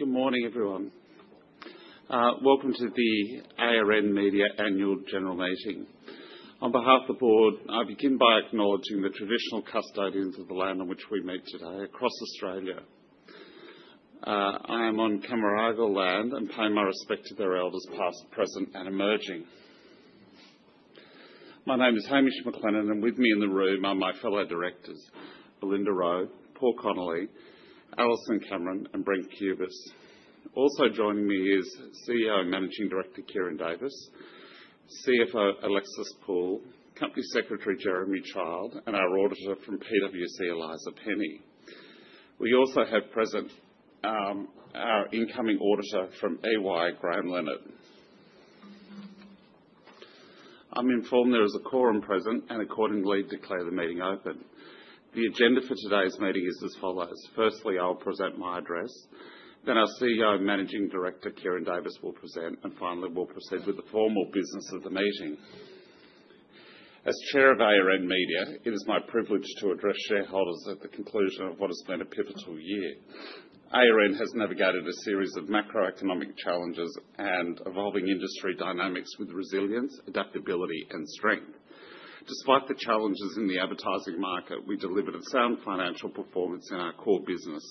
Good morning, everyone. Welcome to the ARN Media Annual General Meeting. On behalf of the Board, I begin by acknowledging the traditional custodians of the land on which we meet today across Australia. I am on Cymraegal land and pay my respect to their elders past, present, and emerging. My name is Hamish McLennan, and with me in the room are my fellow Directors, Belinda Rowe, Paul Connolly, Alison Cameron, and Brent Cubis. Also joining me is CEO and Managing Director, Ciaran Davis, CFO, Alexis Poole, Company Secretary, Jeremy Child, and our Auditor from PwC, Eliza Penny. We also have present our incoming Auditor from EY, Graham Leonard. I'm informed there is a quorum present and accordingly declare the meeting open. The agenda for today's meeting is as follows. Firstly, I'll present my address. Our CEO and Managing Director, Ciaran Davis, will present, and finally, we'll proceed with the formal business of the meeting. As Chair of ARN Media, it is my privilege to address shareholders at the conclusion of what has been a pivotal year. ARN has navigated a series of macroeconomic challenges and evolving industry dynamics with resilience, adaptability, and strength. Despite the challenges in the advertising market, we delivered a sound financial performance in our core business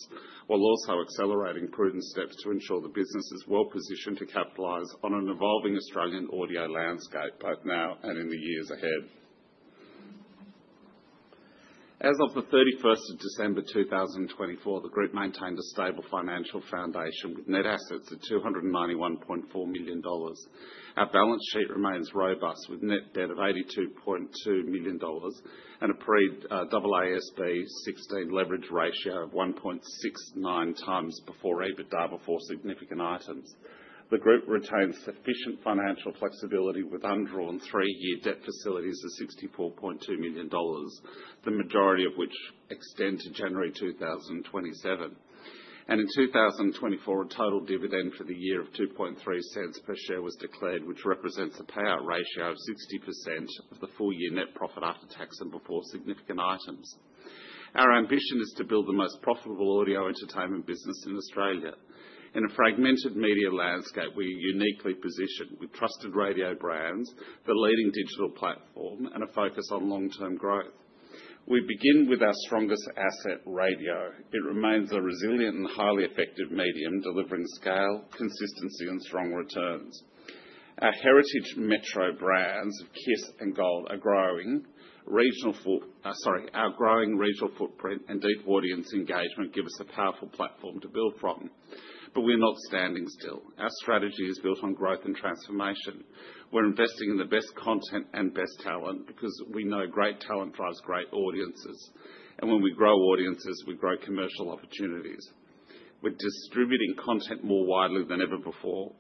while also accelerating prudent steps to ensure the business is well positioned to capitalize on an evolving Australian audio landscape both now and in the years ahead. As of the 31st of December 2024, the group maintained a stable financial foundation with net assets of 291.4 million dollars. Our balance sheet remains robust with net debt of 82.2 million dollars and a pre-AASB 16 leverage ratio of 1.69x before EBITDA before significant items. The group retains sufficient financial flexibility with undrawn three-year debt facilities of 64.2 million dollars, the majority of which extend to January 2027. In 2024, a total dividend for the year of 0.023 per share was declared, which represents a payout ratio of 60% of the full-year net profit after tax and before significant items. Our ambition is to build the most profitable audio entertainment business in Australia. In a fragmented media landscape, we are uniquely positioned with trusted radio brands, the leading digital platform, and a focus on long-term growth. We begin with our strongest asset, radio. It remains a resilient and highly effective medium, delivering scale, consistency, and strong returns. Our heritage metro brands of KIIS and GOLD are growing. Our growing regional footprint and deep audience engagement give us a powerful platform to build from, but we're not standing still. Our strategy is built on growth and transformation. We're investing in the best content and best talent because we know great talent drives great audiences. When we grow audiences, we grow commercial opportunities. We're distributing content more widely than ever before,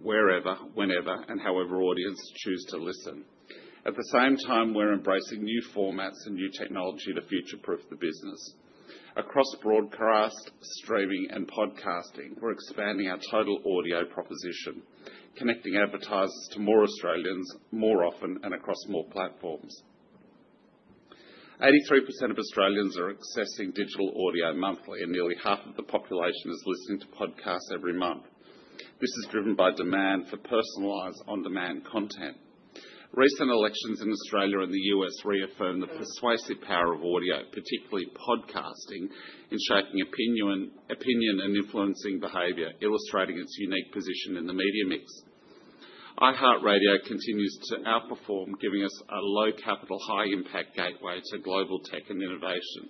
wherever, whenever, and however audiences choose to listen. At the same time, we're embracing new formats and new technology to future-proof the business. Across broadcast, streaming, and podcasting, we're expanding our total audio proposition, connecting advertisers to more Australians more often and across more platforms. 83% of Australians are accessing digital audio monthly, and nearly half of the population is listening to podcasts every month. This is driven by demand for personalised on-demand content. Recent elections in Australia and the U.S. reaffirm the persuasive power of audio, particularly podcasting, in shaping opinion and influencing behaviour, illustrating its unique position in the media mix. iHeartRadio continues to outperform, giving us a low-capital, high-impact gateway to global tech and innovation.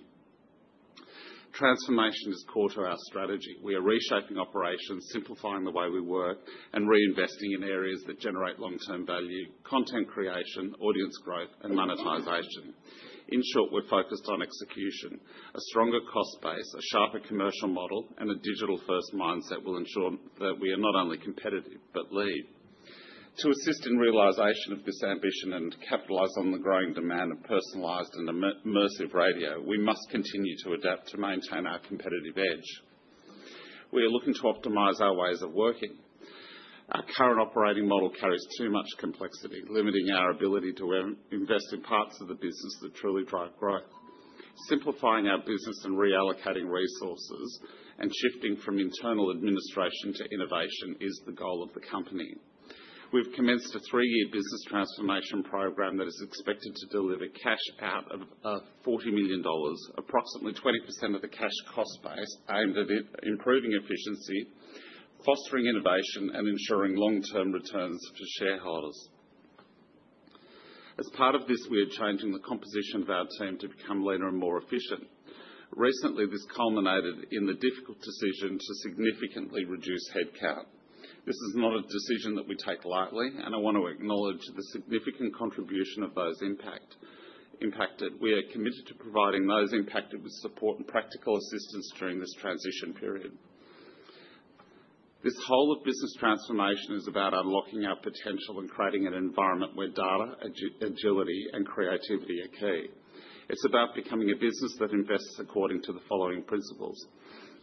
Transformation is core to our strategy. We are reshaping operations, simplifying the way we work, and reinvesting in areas that generate long-term value: content creation, audience growth, and monetisation. In short, we're focused on execution. A stronger cost base, a sharper commercial model, and a digital-first mindset will ensure that we are not only competitive but lead. To assist in realisation of this ambition and capitalise on the growing demand of personalised and immersive radio, we must continue to adapt to maintain our competitive edge. We are looking to optimise our ways of working. Our current operating model carries too much complexity, limiting our ability to invest in parts of the business that truly drive growth. Simplifying our business and reallocating resources and shifting from internal administration to innovation is the goal of the company. We've commenced a three-year business transformation program that is expected to deliver cash out of 40 million dollars, approximately 20% of the cash cost base, aimed at improving efficiency, fostering innovation, and ensuring long-term returns for shareholders. As part of this, we are changing the composition of our team to become leaner and more efficient. Recently, this culminated in the difficult decision to significantly reduce headcount. This is not a decision that we take lightly, and I want to acknowledge the significant contribution of those impacted. We are committed to providing those impacted with support and practical assistance during this transition period. This whole of business transformation is about unlocking our potential and creating an environment where data, agility, and creativity are key. It's about becoming a business that invests according to the following principles: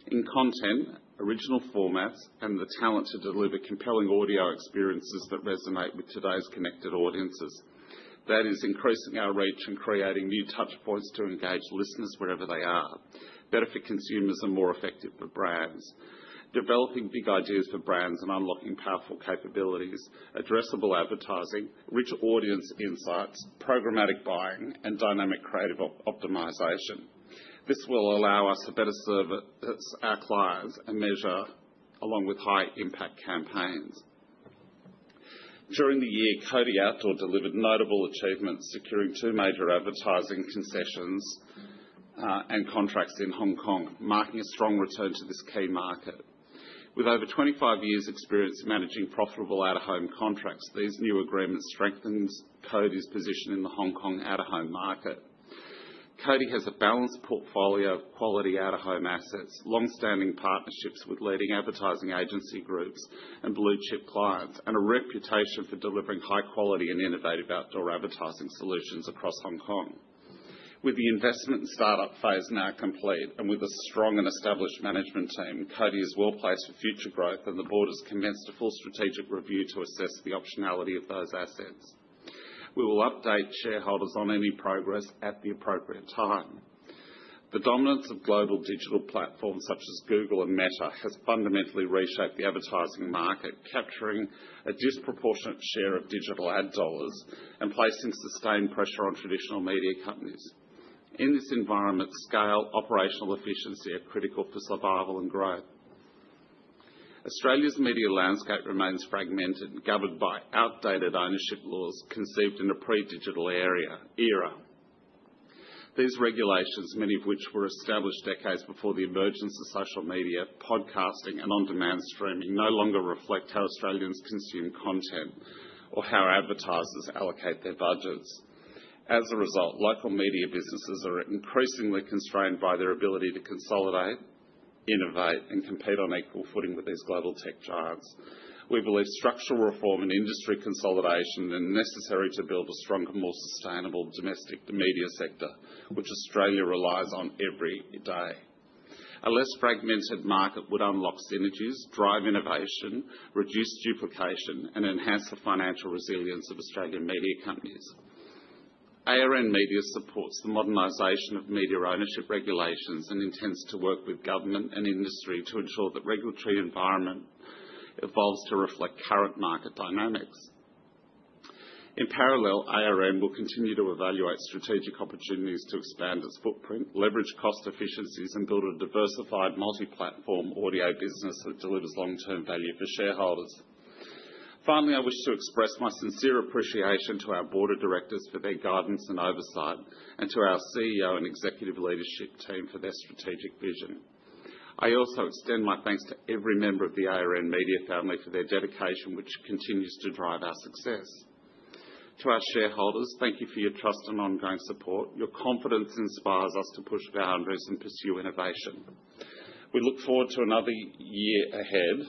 in content, original formats, and the talent to deliver compelling audio experiences that resonate with today's connected audiences. That is, increasing our reach and creating new touchpoints to engage listeners wherever they are, better for consumers, and more effective for brands. Developing big ideas for brands and unlocking powerful capabilities, addressable advertising, rich audience insights, programmatic buying, and dynamic creative optimization. This will allow us to better service our clients and measure along with high-impact campaigns. During the year, Cody Outdoor delivered notable achievements, securing two major advertising concessions and contracts in Hong Kong, marking a strong return to this key market. With over 25 years' experience managing profitable out-of-home contracts, these new agreements strengthen Cody's position in the Hong Kong out-of-home market. Cody has a balanced portfolio of quality out-of-home assets, long-standing partnerships with leading advertising agency groups and blue-chip clients, and a reputation for delivering high-quality and innovative outdoor advertising solutions across Hong Kong. With the investment and start-up phase now complete and with a strong and established management team, Cody is well placed for future growth, and the Board has commenced a full strategic review to assess the optionality of those assets. We will update shareholders on any progress at the appropriate time. The dominance of global digital platforms such as Google and Meta has fundamentally reshaped the advertising market, capturing a disproportionate share of digital ad dollars and placing sustained pressure on traditional media companies. In this environment, scale and operational efficiency are critical for survival and growth. Australia's media landscape remains fragmented, governed by outdated ownership laws conceived in a pre-digital era. These regulations, many of which were established decades before the emergence of social media, podcasting, and on-demand streaming, no longer reflect how Australians consume content or how advertisers allocate their budgets. As a result, local media businesses are increasingly constrained by their ability to consolidate, innovate, and compete on equal footing with these global tech giants. We believe structural reform and industry consolidation are necessary to build a stronger, more sustainable domestic media sector, which Australia relies on every day. A less fragmented market would unlock synergies, drive innovation, reduce duplication, and enhance the financial resilience of Australian media companies. ARN Media supports the modernisation of media ownership regulations and intends to work with government and industry to ensure that the regulatory environment evolves to reflect current market dynamics. In parallel, ARN will continue to evaluate strategic opportunities to expand its footprint, leverage cost efficiencies, and build a diversified multi-platform audio business that delivers long-term value for shareholders. Finally, I wish to express my sincere appreciation to our Board of Directors for their guidance and oversight and to our CEO and Executive Leadership Team for their strategic vision. I also extend my thanks to every member of the ARN Media Family for their dedication, which continues to drive our success. To our shareholders, thank you for your trust and ongoing support. Your confidence inspires us to push boundaries and pursue innovation. We look forward to another year ahead,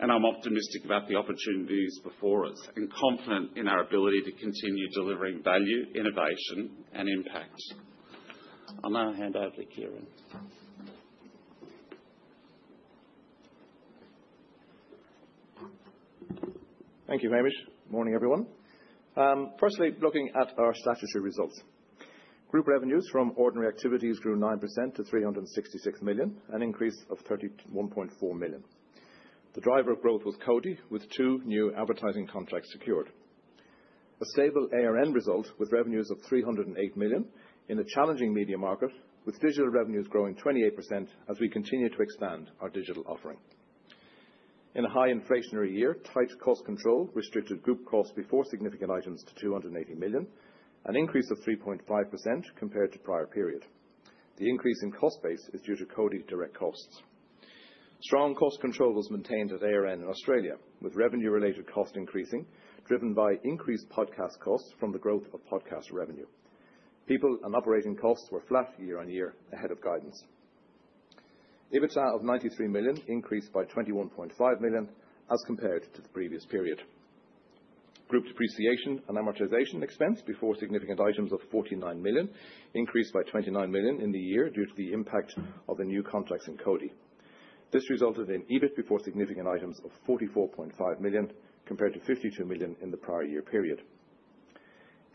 and I'm optimistic about the opportunities before us and confident in our ability to continue delivering value, innovation, and impact. I'll now hand over to Ciaran. Thank you, Hamish. Good morning, everyone. Firstly, looking at our statutory results, group revenues from ordinary activities grew 9% to 366 million, an increase of 31.4 million. The driver of growth was Cody, with two new advertising contracts secured. A stable ARN result with revenues of 308 million in a challenging media market, with digital revenues growing 28% as we continue to expand our digital offering. In a high inflationary year, tight cost control restricted group costs before significant items to 280 million, an increase of 3.5% compared to prior period. The increase in cost base is due to Cody direct costs. Strong cost control was maintained at ARN in Australia, with revenue-related costs increasing, driven by increased podcast costs from the growth of podcast revenue. People and operating costs were flat year on year ahead of guidance. EBITDA of 93 million increased by 21.5 million as compared to the previous period. Group depreciation and amortization expense before significant items of 49 million increased by 29 million in the year due to the impact of the new contracts in Cody. This resulted in EBIT before significant items of 44.5 million compared to 52 million in the prior year period.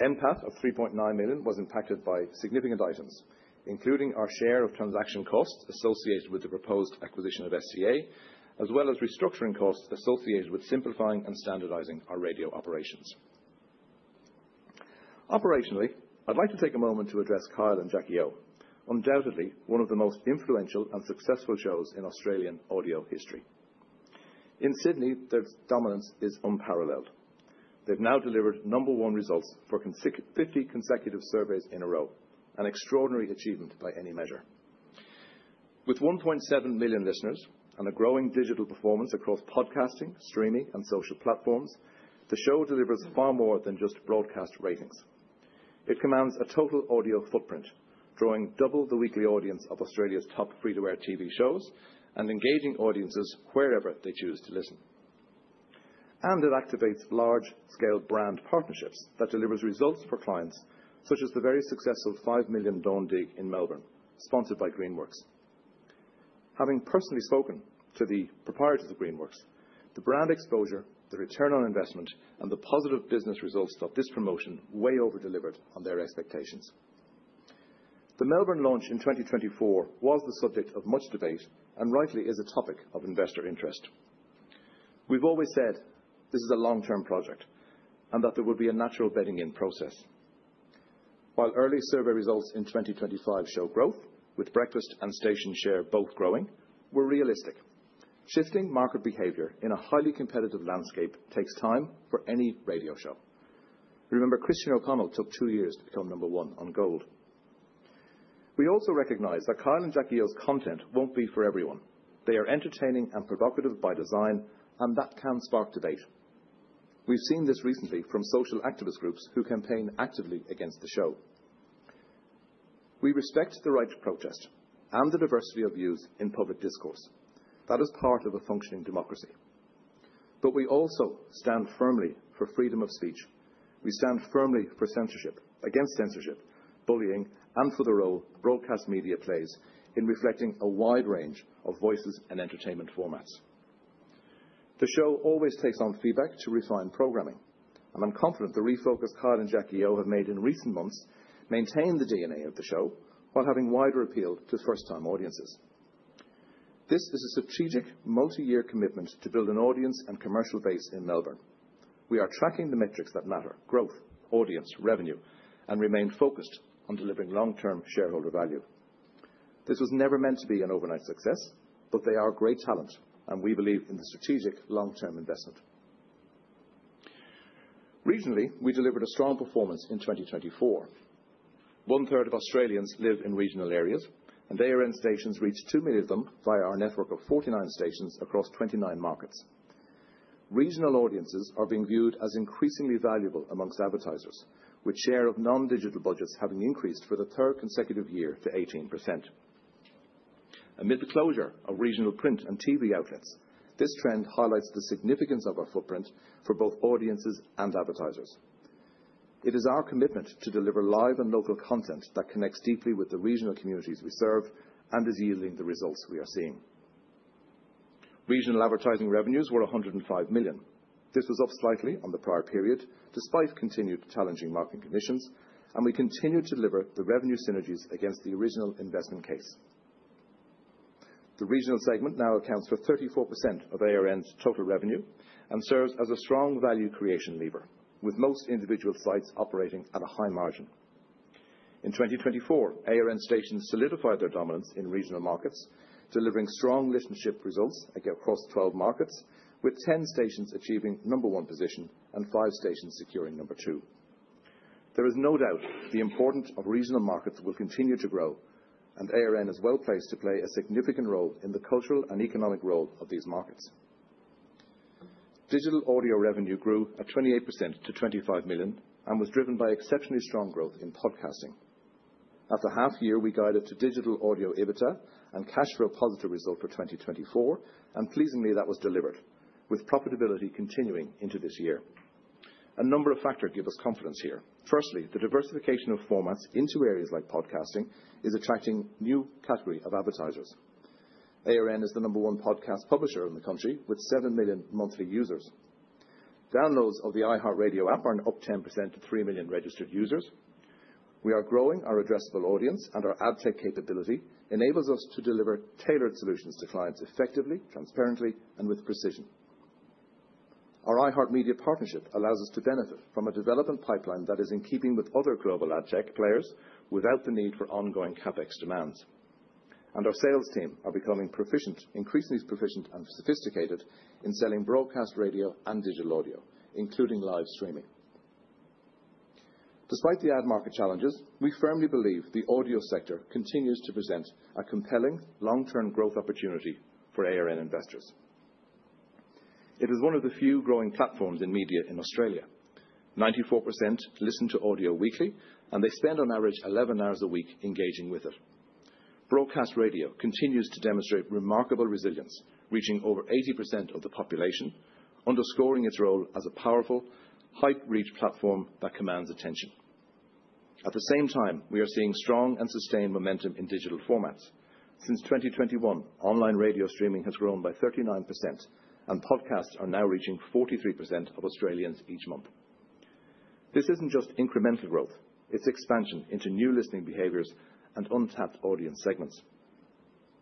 NPAT of 3.9 million was impacted by significant items, including our share of transaction costs associated with the proposed acquisition of SCA, as well as restructuring costs associated with simplifying and standardizing our radio operations. Operationally, I'd like to take a moment to address Kyle and Jackie O, undoubtedly one of the most influential and successful shows in Australian audio history. In Sydney, their dominance is unparalleled. They've now delivered number one results for 50 consecutive surveys in a row, an extraordinary achievement by any measure. With 1.7 million listeners and a growing digital performance across podcasting, streaming, and social platforms, the show delivers far more than just broadcast ratings. It commands a total audio footprint, drawing double the weekly audience of Australia's top free-to-air TV shows and engaging audiences wherever they choose to listen. It activates large-scale brand partnerships that deliver results for clients, such as the very successful 5 million Dawn Dig in Melbourne, sponsored by Greenworks. Having personally spoken to the proprietors of Greenworks, the brand exposure, the return on investment, and the positive business results of this promotion way over-delivered on their expectations. The Melbourne launch in 2024 was the subject of much debate and rightly is a topic of investor interest. We've always said this is a long-term project and that there will be a natural bedding-in process. While early survey results in 2025 show growth, with Breakfast and Station share both growing, we're realistic. Shifting market behavior in a highly competitive landscape takes time for any radio show. Remember, Christian O'Connell took two years to become number one on Gold. We also recognize that Kyle and Jackie O's content won't be for everyone. They are entertaining and provocative by design, and that can spark debate. We've seen this recently from social activist groups who campaign actively against the show. We respect the right to protest and the diversity of views in public discourse. That is part of a functioning democracy. We also stand firmly for freedom of speech. We stand firmly against censorship, bullying, and for the role broadcast media plays in reflecting a wide range of voices and entertainment formats. The show always takes on feedback to refine programming, and I'm confident the refocus Kyle and Jackie O have made in recent months maintains the DNA of the show while having wider appeal to first-time audiences. This is a strategic multi-year commitment to build an audience and commercial base in Melbourne. We are tracking the metrics that matter: growth, audience, revenue, and remain focused on delivering long-term shareholder value. This was never meant to be an overnight success, but they are great talent, and we believe in the strategic long-term investment. Regionally, we delivered a strong performance in 2024. One-third of Australians live in regional areas, and ARN stations reach 2 million of them via our network of 49 stations across 29 markets. Regional audiences are being viewed as increasingly valuable amongst advertisers, with share of non-digital budgets having increased for the third consecutive year to 18%. Amid the closure of regional print and TV outlets, this trend highlights the significance of our footprint for both audiences and advertisers. It is our commitment to deliver live and local content that connects deeply with the regional communities we serve and is yielding the results we are seeing. Regional advertising revenues were 105 million. This was off slightly on the prior period, despite continued challenging marketing conditions, and we continue to deliver the revenue synergies against the original investment case. The regional segment now accounts for 34% of ARN's total revenue and serves as a strong value creation lever, with most individual sites operating at a high margin. In 2024, ARN stations solidified their dominance in regional markets, delivering strong listenership results across 12 markets, with 10 stations achieving number one position and five stations securing number two. There is no doubt the importance of regional markets will continue to grow, and ARN is well placed to play a significant role in the cultural and economic role of these markets. Digital audio revenue grew at 28% to 25 million and was driven by exceptionally strong growth in podcasting. After half a year, we guided to digital audio EBITDA and cash repository result for 2024, and pleasingly, that was delivered, with profitability continuing into this year. A number of factors give us confidence here. Firstly, the diversification of formats into areas like podcasting is attracting a new category of advertisers. ARN is the number one podcast publisher in the country, with 7 million monthly users. Downloads of the iHeartRadio app are up 10% to 3 million registered users. We are growing our addressable audience, and our ad tech capability enables us to deliver tailored solutions to clients effectively, transparently, and with precision. Our iHeart Media partnership allows us to benefit from a development pipeline that is in keeping with other global ad tech players without the need for ongoing CapEx demands. Our sales team are becoming increasingly proficient and sophisticated in selling broadcast radio and digital audio, including live streaming. Despite the ad market challenges, we firmly believe the audio sector continues to present a compelling long-term growth opportunity for ARN investors. It is one of the few growing platforms in media in Australia. 94% listen to audio weekly, and they spend on average 11 hours a week engaging with it. Broadcast radio continues to demonstrate remarkable resilience, reaching over 80% of the population, underscoring its role as a powerful, high-reach platform that commands attention. At the same time, we are seeing strong and sustained momentum in digital formats. Since 2021, online radio streaming has grown by 39%, and podcasts are now reaching 43% of Australians each month. This is not just incremental growth; it is expansion into new listening behaviors and untapped audience segments.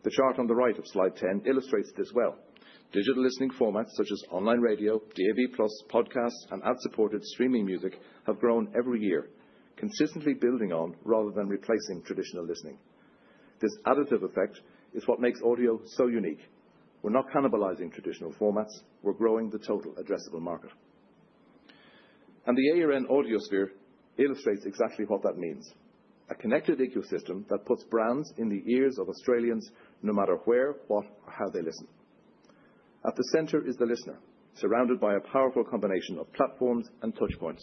The chart on the right of slide 10 illustrates this well. Digital listening formats such as online radio, DAB+, podcasts, and ad-supported streaming music have grown every year, consistently building on rather than replacing traditional listening. This additive effect is what makes audio so unique. We are not cannibalizing traditional formats; we are growing the total addressable market. The ARN audiosphere illustrates exactly what that means: a connected ecosystem that puts brands in the ears of Australians no matter where, what, or how they listen. At the center is the listener, surrounded by a powerful combination of platforms and touchpoints.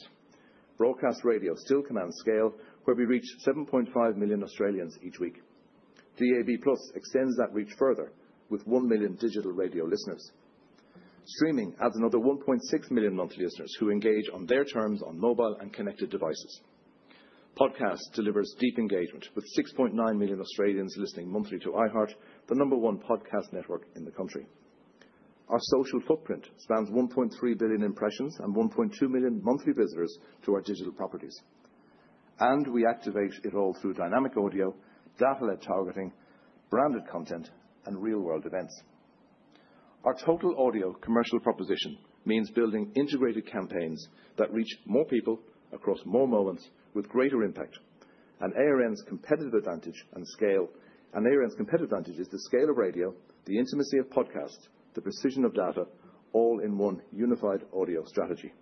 Broadcast radio still commands scale, where we reach 7.5 million Australians each week. DAB+ extends that reach further with 1 million digital radio listeners. Streaming adds another 1.6 million monthly listeners who engage on their terms on mobile and connected devices. Podcasts delivers deep engagement, with 6.9 million Australians listening monthly to iHeart, the number one podcast network in the country. Our social footprint spans 1.3 billion impressions and 1.2 million monthly visitors to our digital properties. We activate it all through dynamic audio, data-led targeting, branded content, and real-world events. Our total audio commercial proposition means building integrated campaigns that reach more people across more moments with greater impact. ARN's competitive advantage and scale is the scale of radio, the intimacy of podcasts, the precision of data, all in one unified audio strategy.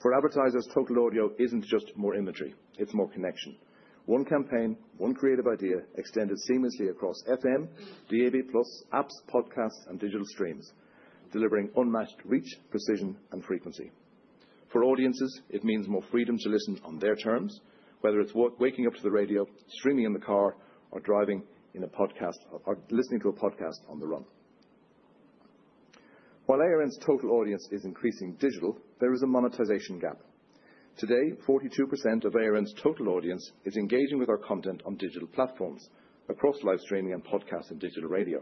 For advertisers, total audio is not just more imagery; it is more connection. One campaign, one creative idea extended seamlessly across FM, DAB+, apps, podcasts, and digital streams, delivering unmatched reach, precision, and frequency. For audiences, it means more freedom to listen on their terms, whether it's waking up to the radio, streaming in the car, or driving in a podcast, or listening to a podcast on the run. While ARN's total audience is increasing digital, there is a monetization gap. Today, 42% of ARN's total audience is engaging with our content on digital platforms, across live streaming and podcasts and digital radio.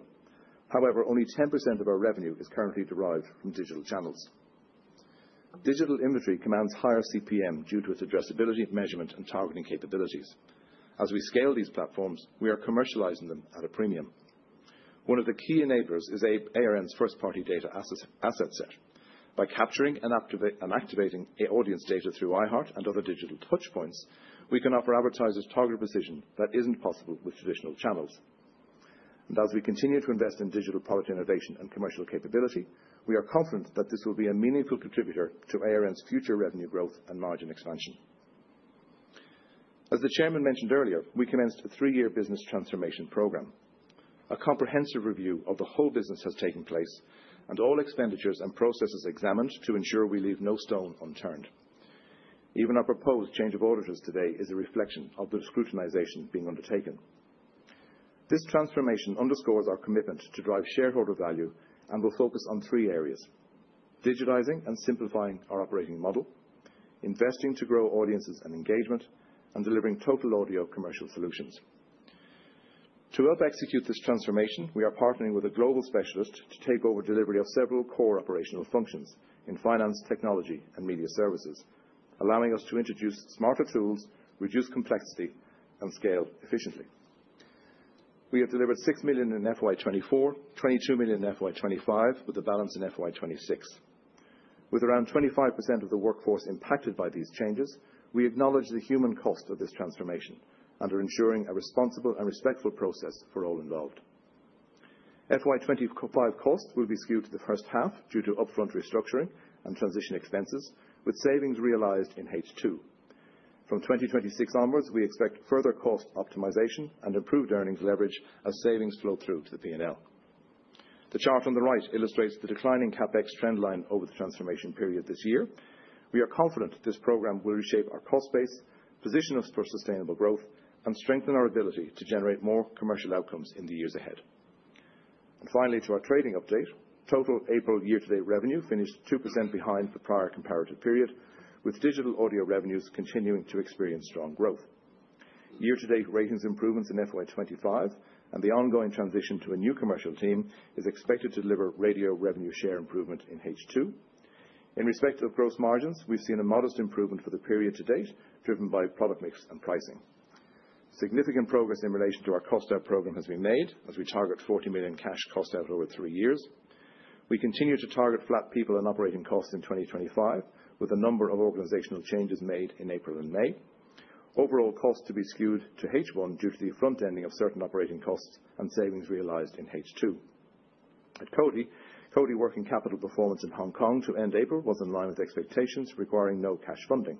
However, only 10% of our revenue is currently derived from digital channels. Digital inventory commands higher CPM due to its addressability, measurement, and targeting capabilities. As we scale these platforms, we are commercializing them at a premium. One of the key enablers is ARN's first-party data asset set. By capturing and activating audience data through iHeart and other digital touchpoints, we can offer advertisers targeted precision that is not possible with traditional channels. As we continue to invest in digital product innovation and commercial capability, we are confident that this will be a meaningful contributor to ARN's future revenue growth and margin expansion. As the Chairman mentioned earlier, we commenced a three-year business transformation program. A comprehensive review of the whole business has taken place, and all expenditures and processes examined to ensure we leave no stone unturned. Even our proposed change of auditors today is a reflection of the scrutiny being undertaken. This transformation underscores our commitment to drive shareholder value and will focus on three areas: digitizing and simplifying our operating model, investing to grow audiences and engagement, and delivering total audio commercial solutions. To help execute this transformation, we are partnering with a global specialist to take over delivery of several core operational functions in finance, technology, and media services, allowing us to introduce smarter tools, reduce complexity, and scale efficiently. We have delivered 6 million in FY 2024, 22 million in FY 2025, with a balance in FY 2026. With around 25% of the workforce impacted by these changes, we acknowledge the human cost of this transformation and are ensuring a responsible and respectful process for all involved. FY 2025 costs will be skewed to the first half due to upfront restructuring and transition expenses, with savings realized in H2. From 2026 onwards, we expect further cost optimization and improved earnings leverage as savings flow through to the P&L. The chart on the right illustrates the declining CapEx trendline over the transformation period this year. We are confident this program will reshape our cost base, position us for sustainable growth, and strengthen our ability to generate more commercial outcomes in the years ahead. Finally, to our trading update, total April year-to-date revenue finished 2% behind the prior comparative period, with digital audio revenues continuing to experience strong growth. Year-to-date ratings improvements in FY 2025 and the ongoing transition to a new commercial team is expected to deliver radio revenue share improvement in H2. In respect of gross margins, we have seen a modest improvement for the period to date, driven by product mix and pricing. Significant progress in relation to our cost out program has been made as we target 40 million cash cost out over three years. We continue to target flat people and operating costs in 2025, with a number of organizational changes made in April and May. Overall costs to be skewed to H1 due to the front-ending of certain operating costs and savings realized in H2. At Cody, Cody Working Capital performance in Hong Kong to end April was in line with expectations, requiring no cash funding.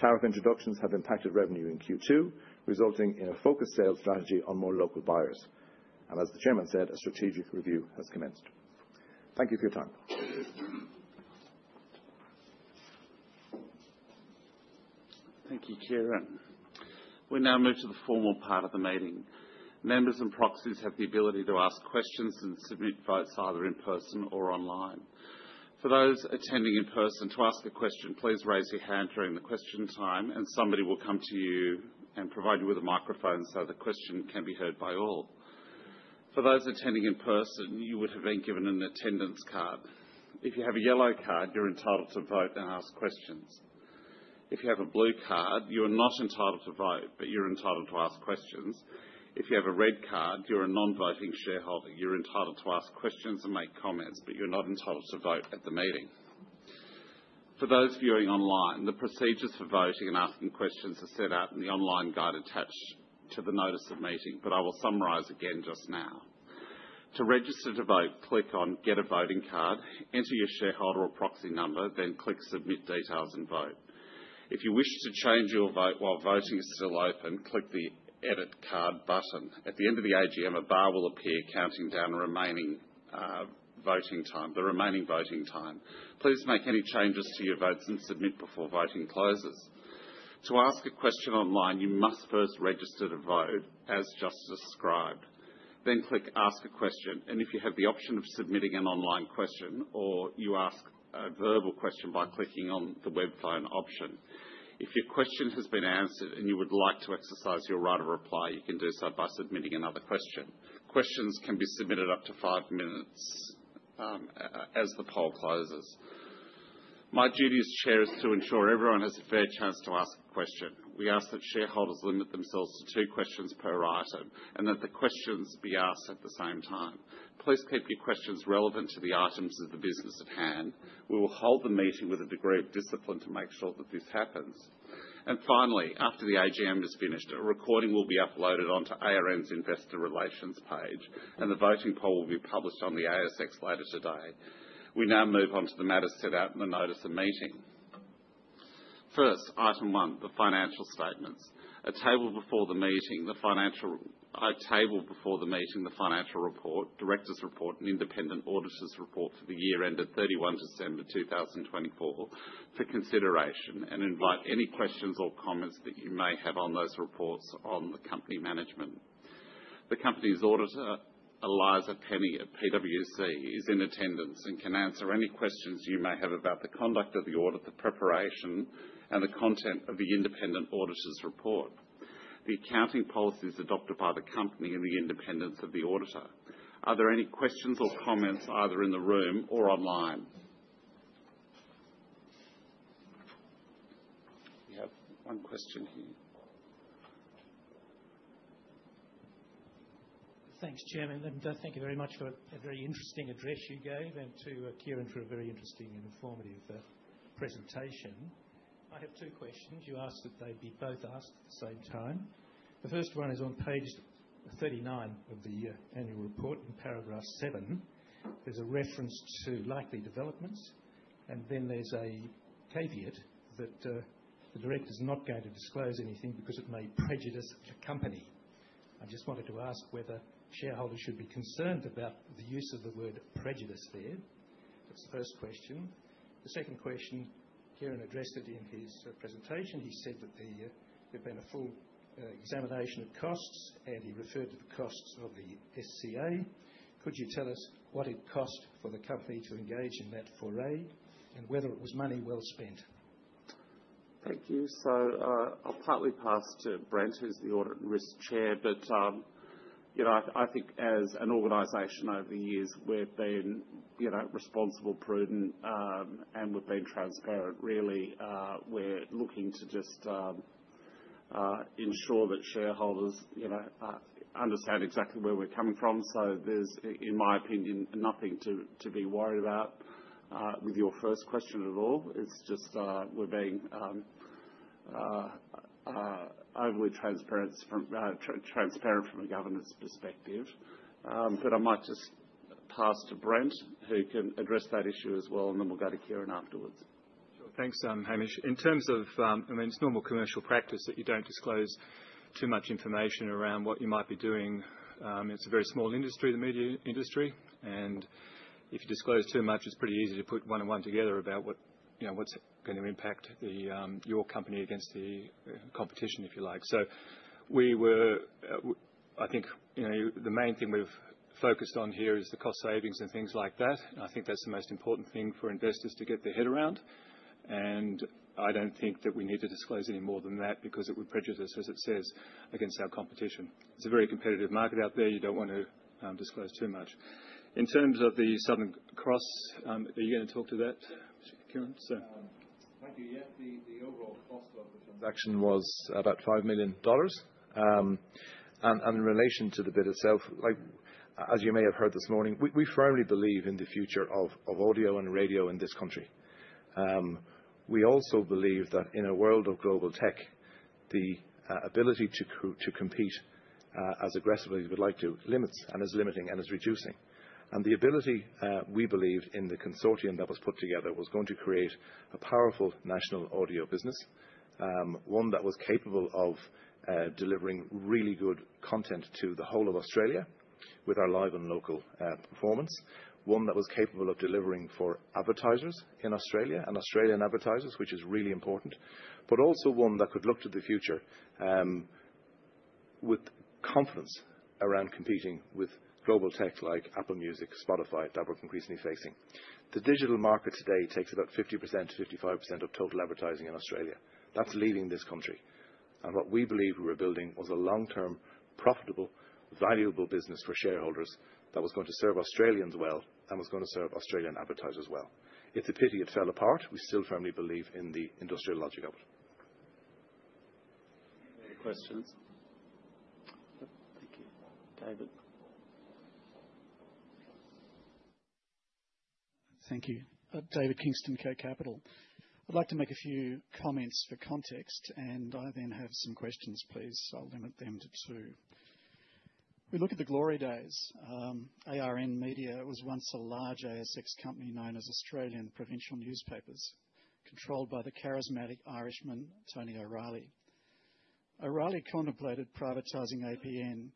Tariff introductions have impacted revenue in Q2, resulting in a focused sales strategy on more local buyers. As the Chairman said, a strategic review has commenced. Thank you for your time. Thank you, Ciaran. We now move to the formal part of the meeting. Members and proxies have the ability to ask questions and submit votes either in person or online. For those attending in person, to ask a question, please raise your hand during the question time, and somebody will come to you and provide you with a microphone so the question can be heard by all. For those attending in person, you would have been given an attendance card. If you have a yellow card, you're entitled to vote and ask questions. If you have a blue card, you are not entitled to vote, but you're entitled to ask questions. If you have a red card, you're a non-voting shareholder. You're entitled to ask questions and make comments, but you're not entitled to vote at the meeting. For those viewing online, the procedures for voting and asking questions are set out in the online guide attached to the notice of meeting, but I will summarize again just now. To register to vote, click on "Get a Voting Card," enter your shareholder or proxy number, then click "Submit Details and Vote." If you wish to change your vote while voting is still open, click the "Edit Card" button. At the end of the AGM, a bar will appear counting down the remaining voting time. Please make any changes to your votes and submit before voting closes. To ask a question online, you must first register to vote, as just described. Click "Ask a Question," and if you have the option of submitting an online question, or you ask a verbal question by clicking on the web phone option. If your question has been answered and you would like to exercise your right of reply, you can do so by submitting another question. Questions can be submitted up to five minutes as the poll closes. My duty as Chair is to ensure everyone has a fair chance to ask a question. We ask that shareholders limit themselves to two questions per item and that the questions be asked at the same time. Please keep your questions relevant to the items of the business at hand. We will hold the meeting with a degree of discipline to make sure that this happens. Finally, after the AGM is finished, a recording will be uploaded onto ARN's Investor Relations page, and the voting poll will be published on the ASX later today. We now move on to the matters set out in the notice of meeting. First, item one, the financial statements. I table before the meeting the financial report, director's report, and independent auditor's report for the year ended 31 December 2024 for consideration and invite any questions or comments that you may have on those reports or on the company management. The company's auditor, Eliza Penny at PwC, is in attendance and can answer any questions you may have about the conduct of the audit, the preparation, and the content of the independent auditor's report, the accounting policies adopted by the company, and the independence of the auditor. Are there any questions or comments either in the room or online? We have one question here. Thanks, Chairman. Thank you very much for a very interesting address you gave and to Ciaran for a very interesting and informative presentation. I have two questions. You asked that they be both asked at the same time. The first one is on page 39 of the annual report in paragraph seven. There is a reference to likely developments, and then there is a caveat that the Directors are not going to disclose anything because it may prejudice the company. I just wanted to ask whether shareholders should be concerned about the use of the word "prejudice" there. That's the first question. The second question, Ciaran addressed it in his presentation. He said that there had been a full examination of costs, and he referred to the costs of the SCA. Could you tell us what it cost for the company to engage in that foray and whether it was money well spent? Thank you. I'll partly pass to Brent, who's the Audit and Risk Chair, but I think as an organization over the years, we've been responsible, prudent, and we've been transparent. Really, we're looking to just ensure that shareholders understand exactly where we're coming from. In my opinion, there's nothing to be worried about with your first question at all. It's just we're being overly transparent from a governance perspective. I might just pass to Brent, who can address that issue as well, and then we'll go to Ciaran afterwards. Sure. Thanks, Hamish. In terms of, I mean, it's normal commercial practice that you don't disclose too much information around what you might be doing. It's a very small industry, the media industry, and if you disclose too much, it's pretty easy to put one-on-one together about what's going to impact your company against the competition, if you like. We were, I think the main thing we've focused on here is the cost savings and things like that. I think that's the most important thing for investors to get their head around, and I don't think that we need to disclose any more than that because it would prejudice, as it says, against our competition. It's a very competitive market out there. You don't want to disclose too much. In terms of the Southern Cross, are you going to talk to that, Sir? Thank you. Yes, the overall cost of the transaction was about 5 million dollars. In relation to the bid itself, as you may have heard this morning, we firmly believe in the future of audio and radio in this country. We also believe that in a world of global tech, the ability to compete as aggressively as we'd like to limits and is limiting and is reducing. The ability we believed in the consortium that was put together was going to create a powerful national audio business, one that was capable of delivering really good content to the whole of Australia with our live and local performance, one that was capable of delivering for advertisers in Australia and Australian advertisers, which is really important, but also one that could look to the future with confidence around competing with global tech like Apple Music, Spotify, that we're increasingly facing. The digital market today takes about 50%-55% of total advertising in Australia. That's leaving this country. What we believe we were building was a long-term, profitable, valuable business for shareholders that was going to serve Australians well and was going to serve Australian advertisers well. It's a pity it fell apart. We still firmly believe in the industrial logic of it. Any questions? Thank you. Thank you. David Kingston at JAG Capital. I'd like to make a few comments for context, and I then have some questions, please. I'll limit them to two. We look at the glory days. ARN Media was once a large ASX company known as Australian provincial newspapers, controlled by the charismatic Irishman, Tony O'Reilly. O'Reilly contemplated privatising APN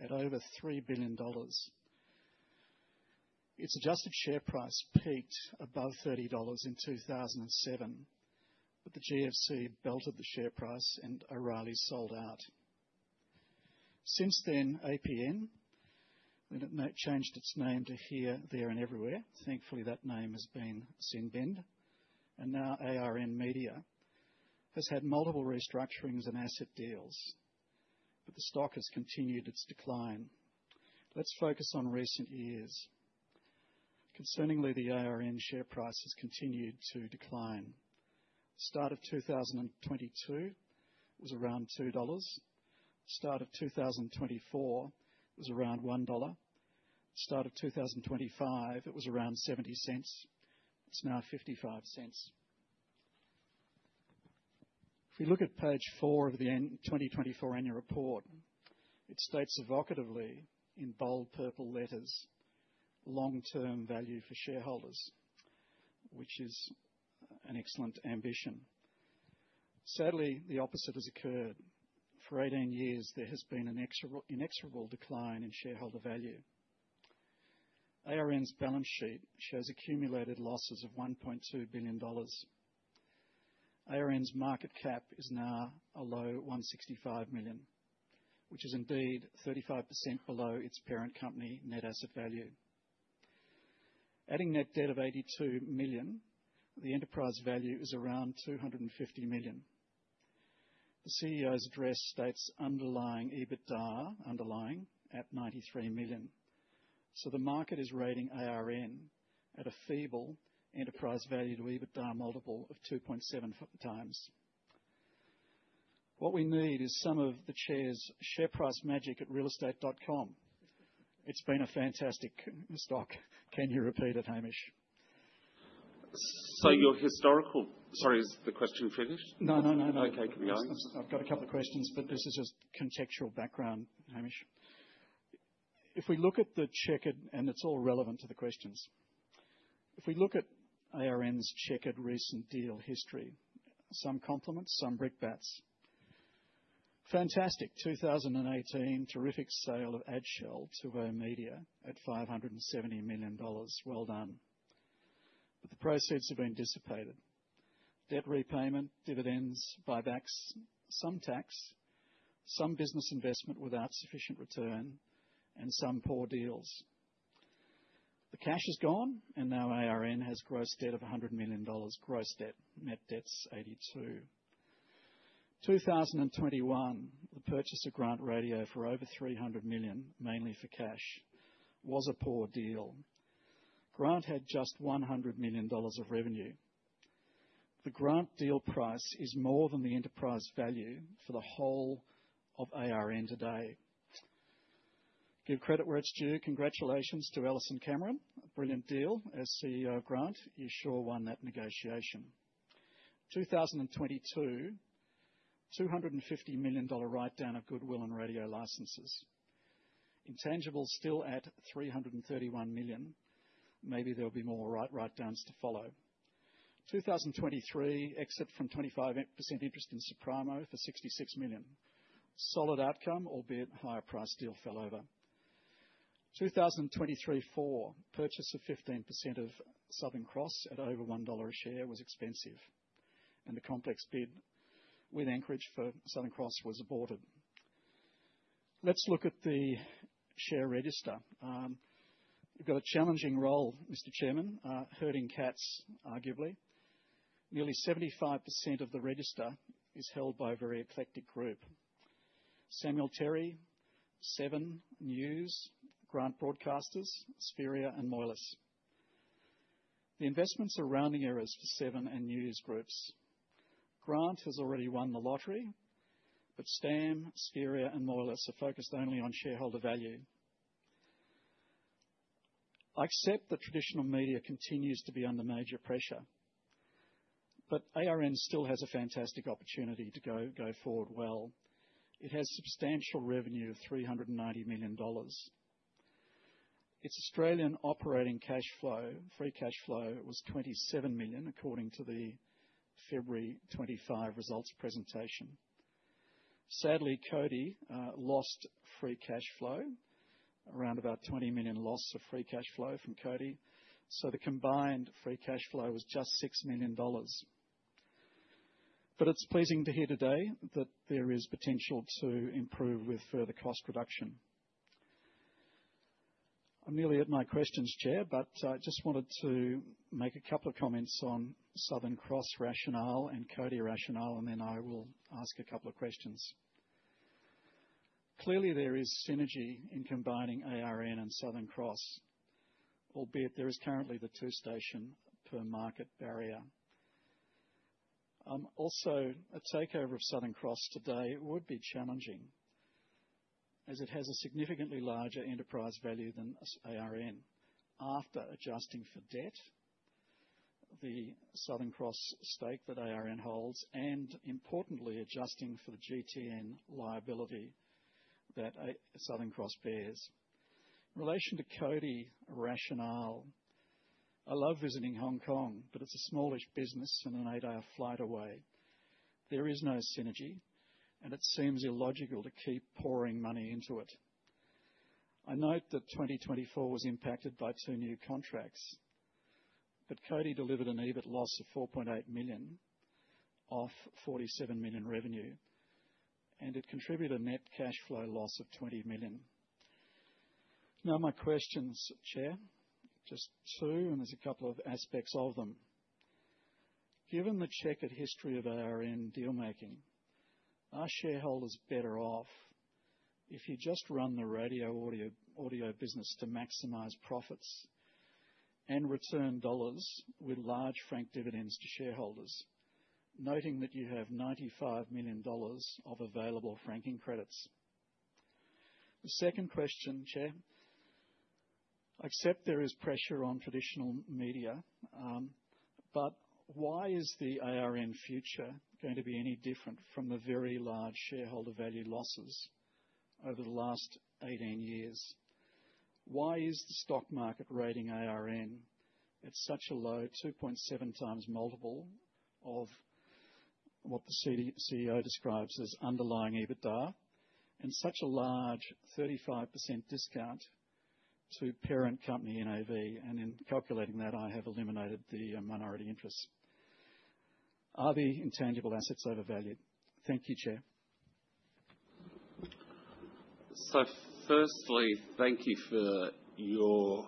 at over 3 billion dollars. Its adjusted share price peaked above 30 dollars in 2007, but the GFC belted the share price, and O'Reilly sold out. Since then, APN changed its name to Here, There and Everywhere. Thankfully, that name has been sin-binned. Now ARN Media has had multiple restructurings and asset deals, but the stock has continued its decline. Let's focus on recent years. Concerningly, the ARN share price has continued to decline. Start of 2022 was around 2 dollars. Start of 2024 was around 1 dollar. Start of 2025, it was around 0.70. It's now 0.55. If we look at page four of the 2024 annual report, it states evocatively in bold purple letters, "Long-term value for shareholders," which is an excellent ambition. Sadly, the opposite has occurred. For 18 years, there has been an inexorable decline in shareholder value. ARN's balance sheet shows accumulated losses of 1.2 billion dollars. ARN's market cap is now below 165 million, which is indeed 35% below its parent company net asset value. Adding net debt of 82 million, the enterprise value is around 250 million. The CEO's address states, "Underlying EBITDA underlying at 93 million." So the market is rating ARN at a feeble enterprise value to EBITDA multiple of 2.7x. What we need is some of the Chair's share price magic at realestate.com. It's been a fantastic stock. Can you repeat it, Hamish? So your historical—sorry, is the question finished? No, no, no, no. Okay, keep going. I've got a couple of questions, but this is just contextual background, Hamish. If we look at the check—and it's all relevant to the questions—if we look at ARN's check at recent deal history, some compliments, some brick bats. Fantastic. In 2018, terrific sale of Adshel to VO Media at 570 million dollars. Well done. The proceeds have been dissipated. Debt repayment, dividends, buybacks, some tax, some business investment without sufficient return, and some poor deals. The cash is gone, and now ARN has gross debt of 100 million dollars. Gross debt, net debt's 82 million. In 2021, the purchase of Grant Radio for over 300 million, mainly for cash, was a poor deal. Grant had just 100 million dollars of revenue. The Grant deal price is more than the enterprise value for the whole of ARN today. Give credit where it's due. Congratulations to Alison Cameron. Brilliant deal. As CEO of Grant, you sure won that negotiation. In 2022, 250 million dollar write-down of goodwill and radio licenses. Intangibles still at 331 million. Maybe there'll be more write-downs to follow. In 2023, exit from 25% interest in Suprano for 66 million. Solid outcome, albeit higher price deal fell over. In 2023/2024, purchase of 15% of Southern Cross at over 1 dollar a share was expensive, and the complex bid with Anchorage for Southern Cross was aborted. Let's look at the share register. You've got a challenging role, Mr. Chairman, herding cats, arguably. Nearly 75% of the register is held by a very eclectic group. Samuel Terry, Seven, News, Grant Broadcasters, Spheria, and Moelis. The investments are rounding errors for Seven and News Groups. Grant has already won the lottery, but Samuel Terry, Spheria, and Moelis are focused only on shareholder value. I accept that traditional media continues to be under major pressure, but ARN still has a fantastic opportunity to go forward well. It has substantial revenue of 390 million dollars. Its Australian operating cash flow, free cash flow, was 27 million, according to the February 2025 results presentation. Sadly, Cody lost free cash flow, around about 20 million loss of free cash flow from Cody. So the combined free cash flow was just 6 million dollars. But it's pleasing to hear today that there is potential to improve with further cost reduction. I'm nearly at my questions, Chair, but I just wanted to make a couple of comments on Southern Cross rationale and Cody rationale, and then I will ask a couple of questions. Clearly, there is synergy in combining ARN and Southern Cross, albeit there is currently the two-station per market barrier. Also, a takeover of Southern Cross today would be challenging as it has a significantly larger enterprise value than ARN. After adjusting for debt, the Southern Cross stake that ARN holds, and importantly, adjusting for the GTN liability that Southern Cross bears. In relation to Cody rationale, I love visiting Hong Kong, but it's a smallish business and an eight-hour flight away. There is no synergy, and it seems illogical to keep pouring money into it. I note that 2024 was impacted by two new contracts, but Cody delivered an EBIT loss of 4.8 million off 47 million revenue, and it contributed a net cash flow loss of 20 million. Now, my questions, Chair, just two, and there's a couple of aspects of them. Given the checkered history of ARN dealmaking, are shareholders better off if you just run the radio audio business to maximize profits and return dollars with large frank dividends to shareholders, noting that you have 95 million dollars of available franking credits? The second question, Chair, I accept there is pressure on traditional media, but why is the ARN future going to be any different from the very large shareholder value losses over the last 18 years? Why is the stock market rating ARN at such a low 2.7x multiple of what the CEO describes as underlying EBITDA and such a large 35% discount to parent company NAV? In calculating that, I have eliminated the minority interests. Are the intangible assets overvalued? Thank you, Chair. Firstly, thank you for your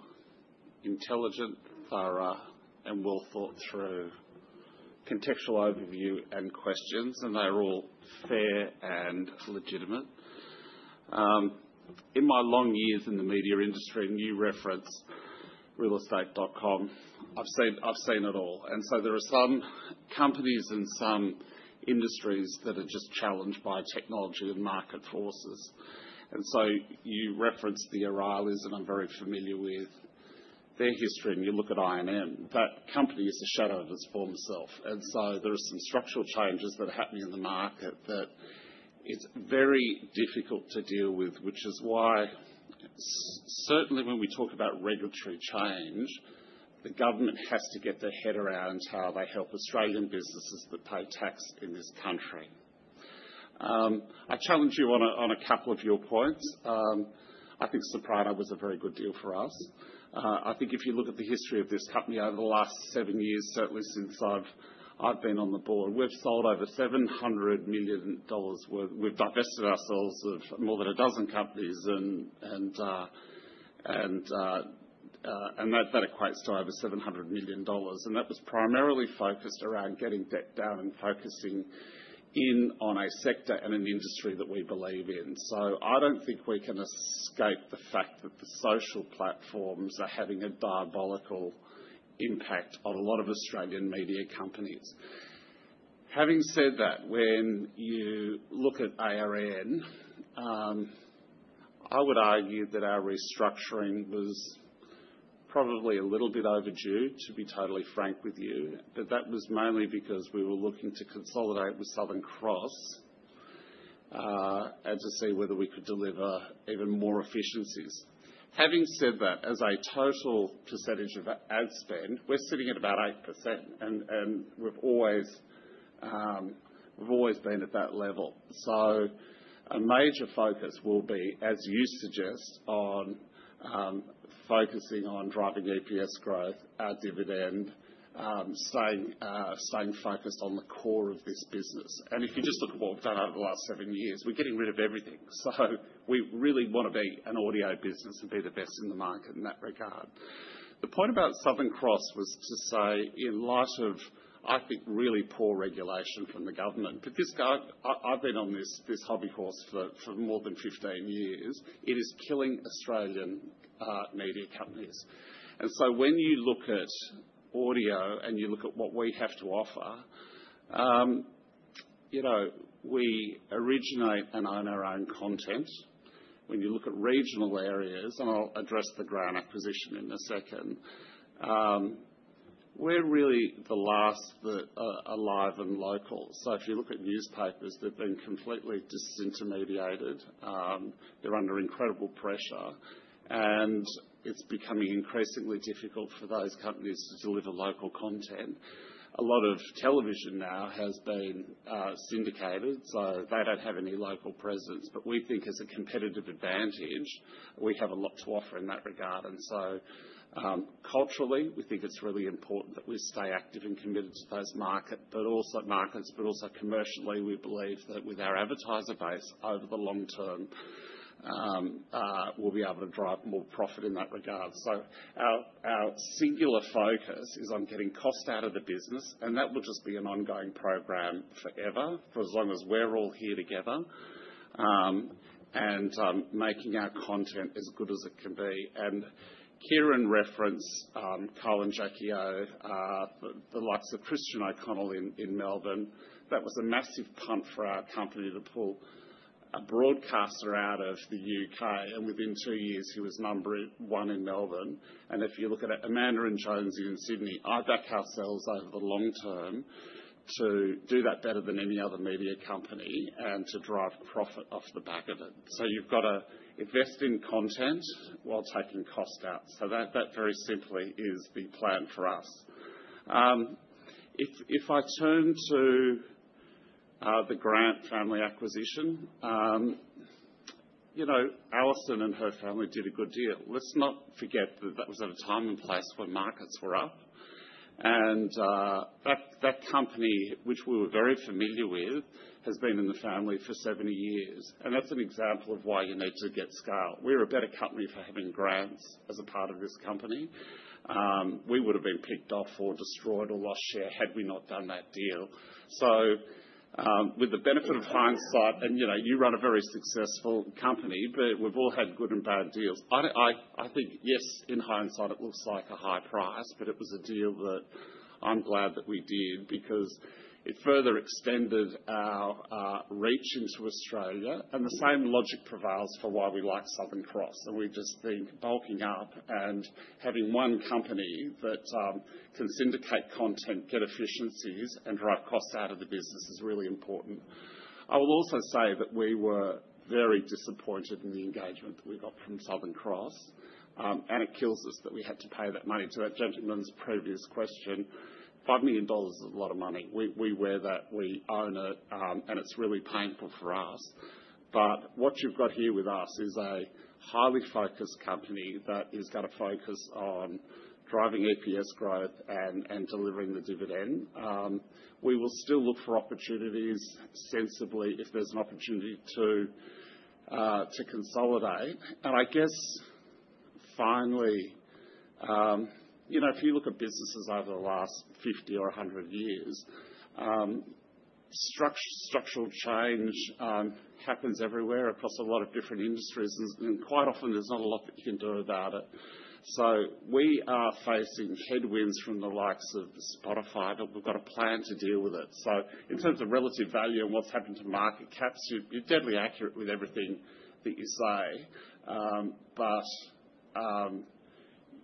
intelligent, thorough, and well-thought-through contextual overview and questions, and they're all fair and legitimate. In my long years in the media industry, and you reference realestate.com, I've seen it all. There are some companies and some industries that are just challenged by technology and market forces. You referenced the O'Reilly, and I'm very familiar with their history, and you look at INM. That company is a shadow of its former self. There are some structural changes that are happening in the market that it's very difficult to deal with, which is why, certainly when we talk about regulatory change, the government has to get their head around how they help Australian businesses that pay tax in this country. I challenge you on a couple of your points. I think Suprano was a very good deal for us. I think if you look at the history of this company over the last seven years, certainly since I've been on the Board, we've sold over 700 million dollars worth. We've divested ourselves of more than a dozen companies, and that equates to over 700 million dollars. That was primarily focused around getting debt down and focusing in on a sector and an industry that we believe in. I don't think we can escape the fact that the social platforms are having a diabolical impact on a lot of Australian media companies. Having said that, when you look at ARN, I would argue that our restructuring was probably a little bit overdue, to be totally frank with you, but that was mainly because we were looking to consolidate with Southern Cross and to see whether we could deliver even more efficiencies. Having said that, as a total percentage of ad spend, we're sitting at about 8%, and we've always been at that level. A major focus will be, as you suggest, on focusing on driving EPS growth, our dividend, staying focused on the core of this business. If you just look at what we've done over the last seven years, we're getting rid of everything. We really want to be an audio business and be the best in the market in that regard. The point about Southern Cross was to say, in light of, I think, really poor regulation from the government, but this guy, I've been on this hobby horse for more than 15 years. It is killing Australian media companies. When you look at audio and you look at what we have to offer, we originate and own our own content. When you look at regional areas, and I'll address the Grant acquisition in a second, we're really the last that are live and local. If you look at newspapers, they've been completely disintermediated. They're under incredible pressure, and it's becoming increasingly difficult for those companies to deliver local content. A lot of television now has been syndicated, so they do not have any local presence. We think as a competitive advantage, we have a lot to offer in that regard. Culturally, we think it's really important that we stay active and committed to those markets, but also commercially, we believe that with our advertiser base over the long term, we'll be able to drive more profit in that regard. Our singular focus is on getting cost out of the business, and that will just be an ongoing program forever, for as long as we're all here together, and making our content as good as it can be. Ciaran referenced Christian O'Connell in Melbourne. That was a massive punt for our company to pull a broadcaster out of the U.K., and within two years, he was number one in Melbourne. If you look at Amanda and Jones in Sydney, I back ourselves over the long term to do that better than any other media company and to drive profit off the back of it. You've got to invest in content while taking cost out. That very simply is the plan for us. If I turn to the Grant family acquisition, Alison and her family did a good deal. Let's not forget that that was at a time and place where markets were up. And that company, which we were very familiar with, has been in the family for 70 years. That's an example of why you need to get scale. We're a better company for having Grants as a part of this company. We would have been picked off or destroyed or lost share had we not done that deal. With the benefit of hindsight, and you run a very successful company, but we've all had good and bad deals. I think, yes, in hindsight, it looks like a high price, but it was a deal that I'm glad that we did because it further extended our reach into Australia. The same logic prevails for why we like Southern Cross. We just think bulking up and having one company that can syndicate content, get efficiencies, and drive costs out of the business is really important. I will also say that we were very disappointed in the engagement that we got from Southern Cross, and it kills us that we had to pay that money. To that gentleman's previous question, 5 million dollars is a lot of money. We wear that. We own it, and it's really painful for us. What you've got here with us is a highly focused company that is going to focus on driving EPS growth and delivering the dividend. We will still look for opportunities sensibly if there's an opportunity to consolidate. I guess finally, if you look at businesses over the last 50 or 100 years, structural change happens everywhere across a lot of different industries, and quite often, there's not a lot that you can do about it. We are facing headwinds from the likes of Spotify, but we've got a plan to deal with it. In terms of relative value and what's happened to market caps, you're deadly accurate with everything that you say, but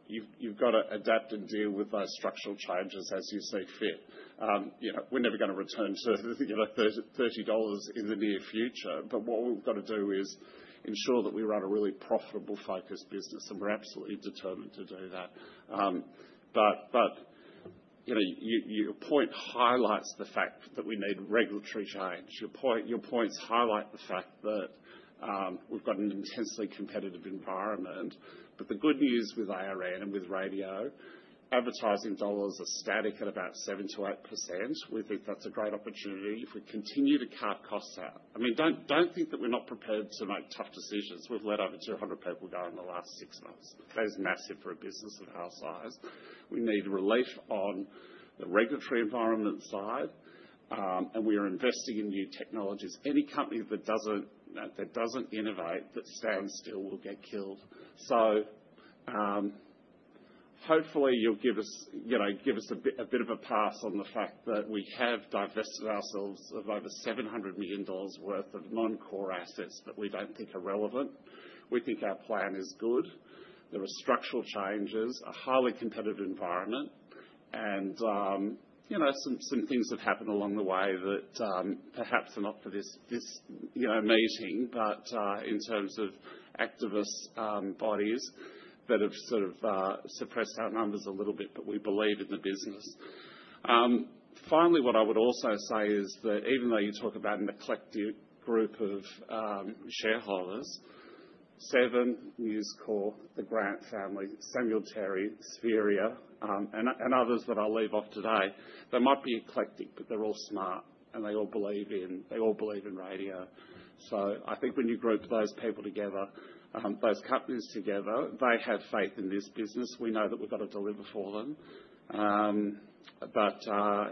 you've got to adapt and deal with those structural changes as you see fit. We're never going to return to 30 dollars in the near future, but what we've got to do is ensure that we run a really profitable, focused business, and we're absolutely determined to do that. Your point highlights the fact that we need regulatory change. Your points highlight the fact that we've got an intensely competitive environment. The good news with ARN and with radio, advertising dollars are static at about 7%-8%. We think that's a great opportunity if we continue to carve costs out. I mean, don't think that we're not prepared to make tough decisions. We've let over 200 people go in the last six months. That is massive for a business of our size. We need relief on the regulatory environment side, and we are investing in new technologies. Any company that doesn't innovate, that stands still, will get killed. Hopefully, you'll give us a bit of a pass on the fact that we have divested ourselves of over 700 million dollars worth of non-core assets that we don't think are relevant. We think our plan is good. There are structural changes, a highly competitive environment, and some things have happened along the way that perhaps are not for this meeting, but in terms of activist bodies that have sort of suppressed our numbers a little bit, but we believe in the business. Finally, what I would also say is that even though you talk about an eclectic group of shareholders, Seven, News Corp, the Grant family, Samuel Terry, Spheria, and others that I'll leave off today, they might be eclectic, but they're all smart, and they all believe in radio. I think when you group those people together, those companies together, they have faith in this business. We know that we've got to deliver for them, but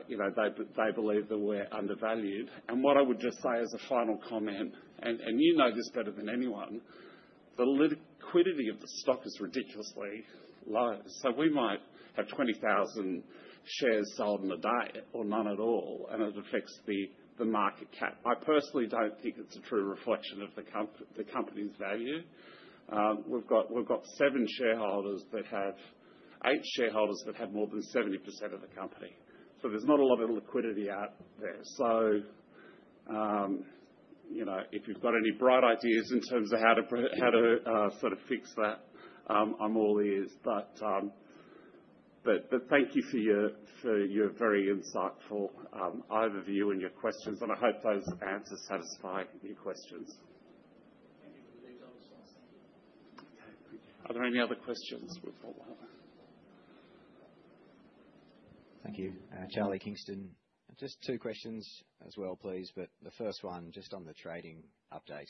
they believe that we're undervalued. What I would just say as a final comment, and you know this better than anyone, the liquidity of the stock is ridiculously low. We might have 20,000 shares sold in a day or none at all, and it affects the market cap. I personally do not think it is a true reflection of the company's value. We have seven shareholders that have eight shareholders that have more than 70% of the company. There is not a lot of liquidity out there. If you have any bright ideas in terms of how to sort of fix that, I am all ears. Thank you for your very insightful overview and your questions, and I hope those answers satisfy your questions. Are there any other questions? Thank you. Charlie Kingston. Just two questions as well, please, but the first one, just on the trading update.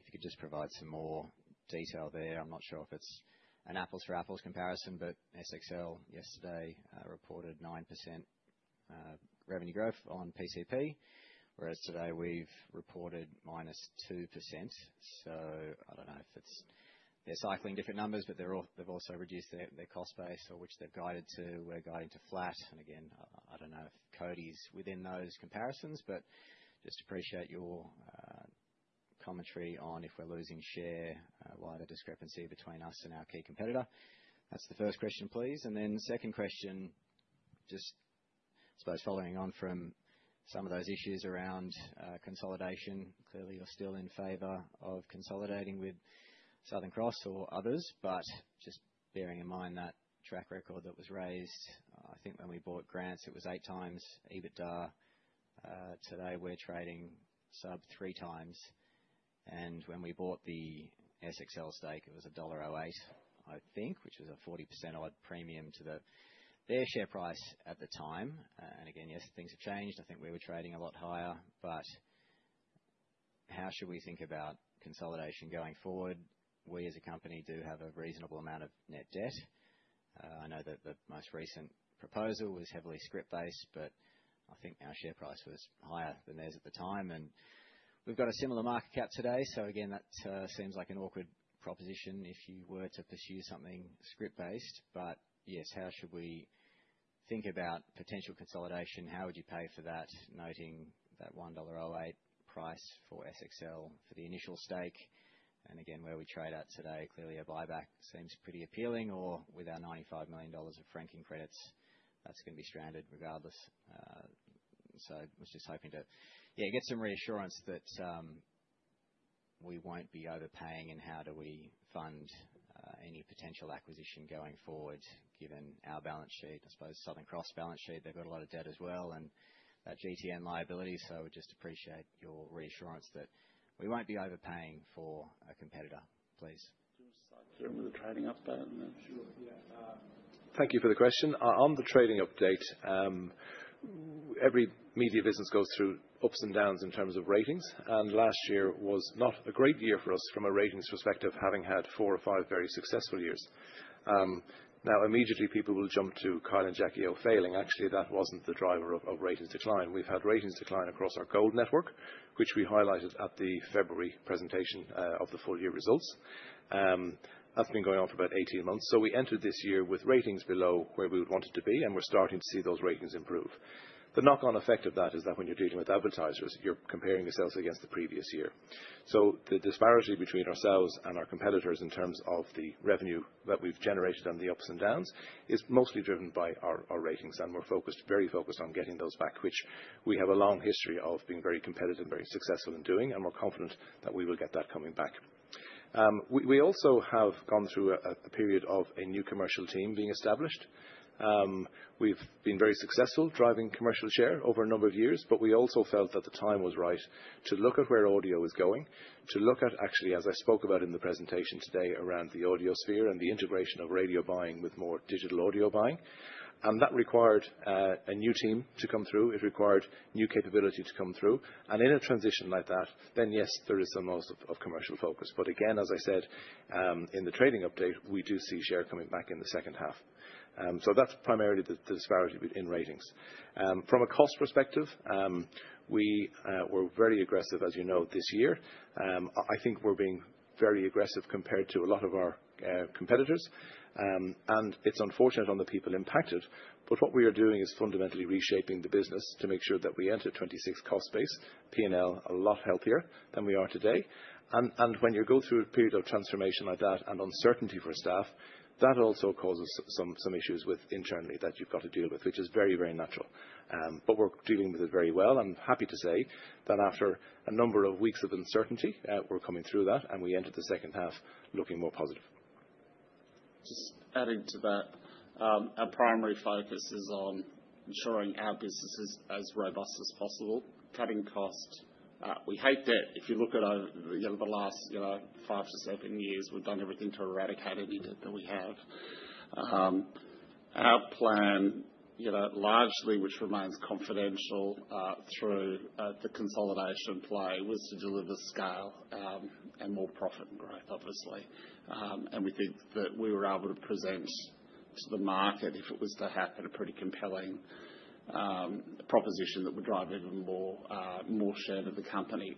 If you could just provide some more detail there. I'm not sure if it's an apples-for-apples comparison, but SXL yesterday reported 9% revenue growth on PCP, whereas today we've reported -2%. I don't know if they're cycling different numbers, but they've also reduced their cost base, which they're guided to. We're guiding to flat. I don't know if Cody's within those comparisons, but just appreciate your commentary on if we're losing share, why the discrepancy between us and our key competitor. That's the first question, please. The second question, just I suppose following on from some of those issues around consolidation. Clearly, you're still in favor of consolidating with Southern Cross or others, but just bearing in mind that track record that was raised. I think when we bought Grants, it was eight times EBITDA. Today, we're trading sub three times. When we bought the SXL stake, it was dollar 1.08, I think, which was a 40% odd premium to their share price at the time. Yes, things have changed. I think we were trading a lot higher, but how should we think about consolidation going forward? We, as a company, do have a reasonable amount of net debt. I know that the most recent proposal was heavily script-based, but I think our share price was higher than theirs at the time. We have a similar market cap today. That seems like an awkward proposition if you were to pursue something script-based. Yes, how should we think about potential consolidation? How would you pay for that, noting that 1.08 dollar price for SXL for the initial stake? Where we trade at today, clearly a buyback seems pretty appealing. Or with our 95 million dollars of franking credits, that's going to be stranded regardless. I was just hoping to, yeah, get some reassurance that we won't be overpaying and how do we fund any potential acquisition going forward, given our balance sheet, I suppose Southern Cross' balance sheet. They've got a lot of debt as well and that GTN liability. We just appreciate your reassurance that we won't be overpaying for a competitor, please. Do you want me to try the update on that? Sure. Yeah. Thank you for the question. On the trading update, every media business goes through ups and downs in terms of ratings, and last year was not a great year for us from a ratings perspective, having had four or five very successful years. Immediately, people will jump to Kyle and Jackie O failing. Actually, that wasn't the driver of ratings decline. We've had ratings decline across our Gold Network, which we highlighted at the February presentation of the full year results. That's been going on for about 18 months. We entered this year with ratings below where we would want it to be, and we're starting to see those ratings improve. The knock-on effect of that is that when you're dealing with advertisers, you're comparing yourselves against the previous year. The disparity between ourselves and our competitors in terms of the revenue that we've generated and the ups and downs is mostly driven by our ratings, and we're very focused on getting those back, which we have a long history of being very competitive and very successful in doing, and we're confident that we will get that coming back. We also have gone through a period of a new commercial team being established. We've been very successful driving commercial share over a number of years, but we also felt that the time was right to look at where audio is going, to look at actually, as I spoke about in the presentation today, around the audio sphere and the integration of radio buying with more digital audio buying. That required a new team to come through. It required new capability to come through. In a transition like that, then yes, there is some loss of commercial focus. Again, as I said, in the trading update, we do see share coming back in the second half. That is primarily the disparity in ratings. From a cost perspective, we were very aggressive, as you know, this year. I think we're being very aggressive compared to a lot of our competitors, and it's unfortunate on the people impacted. What we are doing is fundamentally reshaping the business to make sure that we enter 2026 cost base, P&L a lot healthier than we are today. When you go through a period of transformation like that and uncertainty for staff, that also causes some issues internally that you've got to deal with, which is very, very natural. We are dealing with it very well. I'm happy to say that after a number of weeks of uncertainty, we're coming through that, and we entered the second half looking more positive. Just adding to that, our primary focus is on ensuring our business is as robust as possible, cutting cost. We hate debt. If you look at the last five to seven years, we've done everything to eradicate any debt that we have. Our plan, largely, which remains confidential through the consolidation play, was to deliver scale and more profit and growth, obviously. We think that we were able to present to the market, if it was to happen, a pretty compelling proposition that would drive even more share to the company.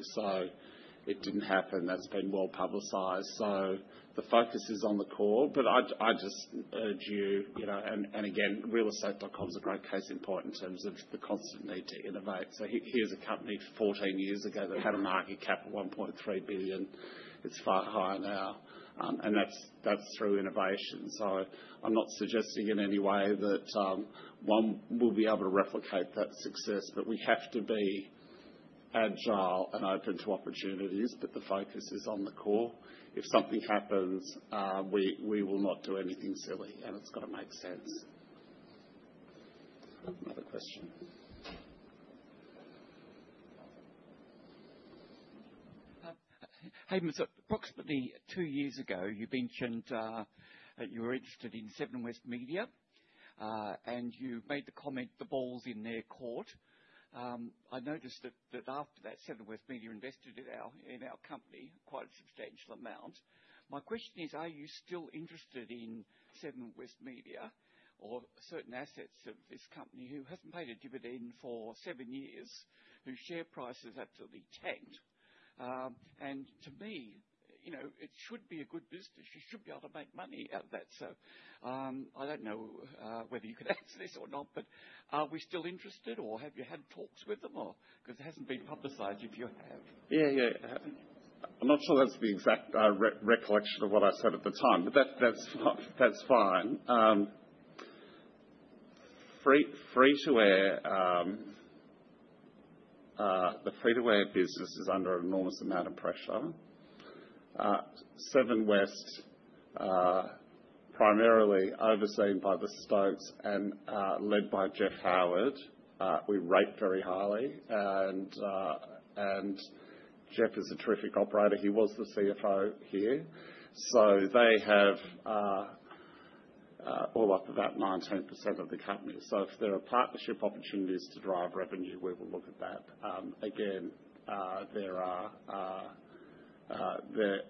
It did not happen. That has been well publicized. The focus is on the core, but I just urge you, and again, realestate.com is a great case in point in terms of the constant need to innovate. Here is a company 14 years ago that had a market cap of 1.3 billion. It is far higher now, and that is through innovation. I am not suggesting in any way that one will be able to replicate that success, but we have to be agile and open to opportunities. The focus is on the core. If something happens, we will not do anything silly, and it's got to make sense. Another question. Hey, Mr. Approximately two years ago, you mentioned that you were interested in Seven West Media, and you made the comment, "The ball's in their court." I noticed that after that, Seven West Media invested in our company quite a substantial amount. My question is, are you still interested in Seven West Media or certain assets of this company who hasn't paid a dividend for seven years, whose share price has absolutely tanked? To me, it should be a good business. You should be able to make money out of that. I don't know whether you could answer this or not, but are we still interested, or have you had talks with them? Because it hasn't been publicised if you have. Yeah, yeah. I'm not sure that's the exact recollection of what I said at the time, but that's fine. The freeway business is under an enormous amount of pressure. Seven West, primarily overseen by the Stokes and led by Jeff Howard. We rate very highly, and Jeff is a terrific operator. He was the CFO here. They have all up about 19% of the company. If there are partnership opportunities to drive revenue, we will look at that. Again, there are,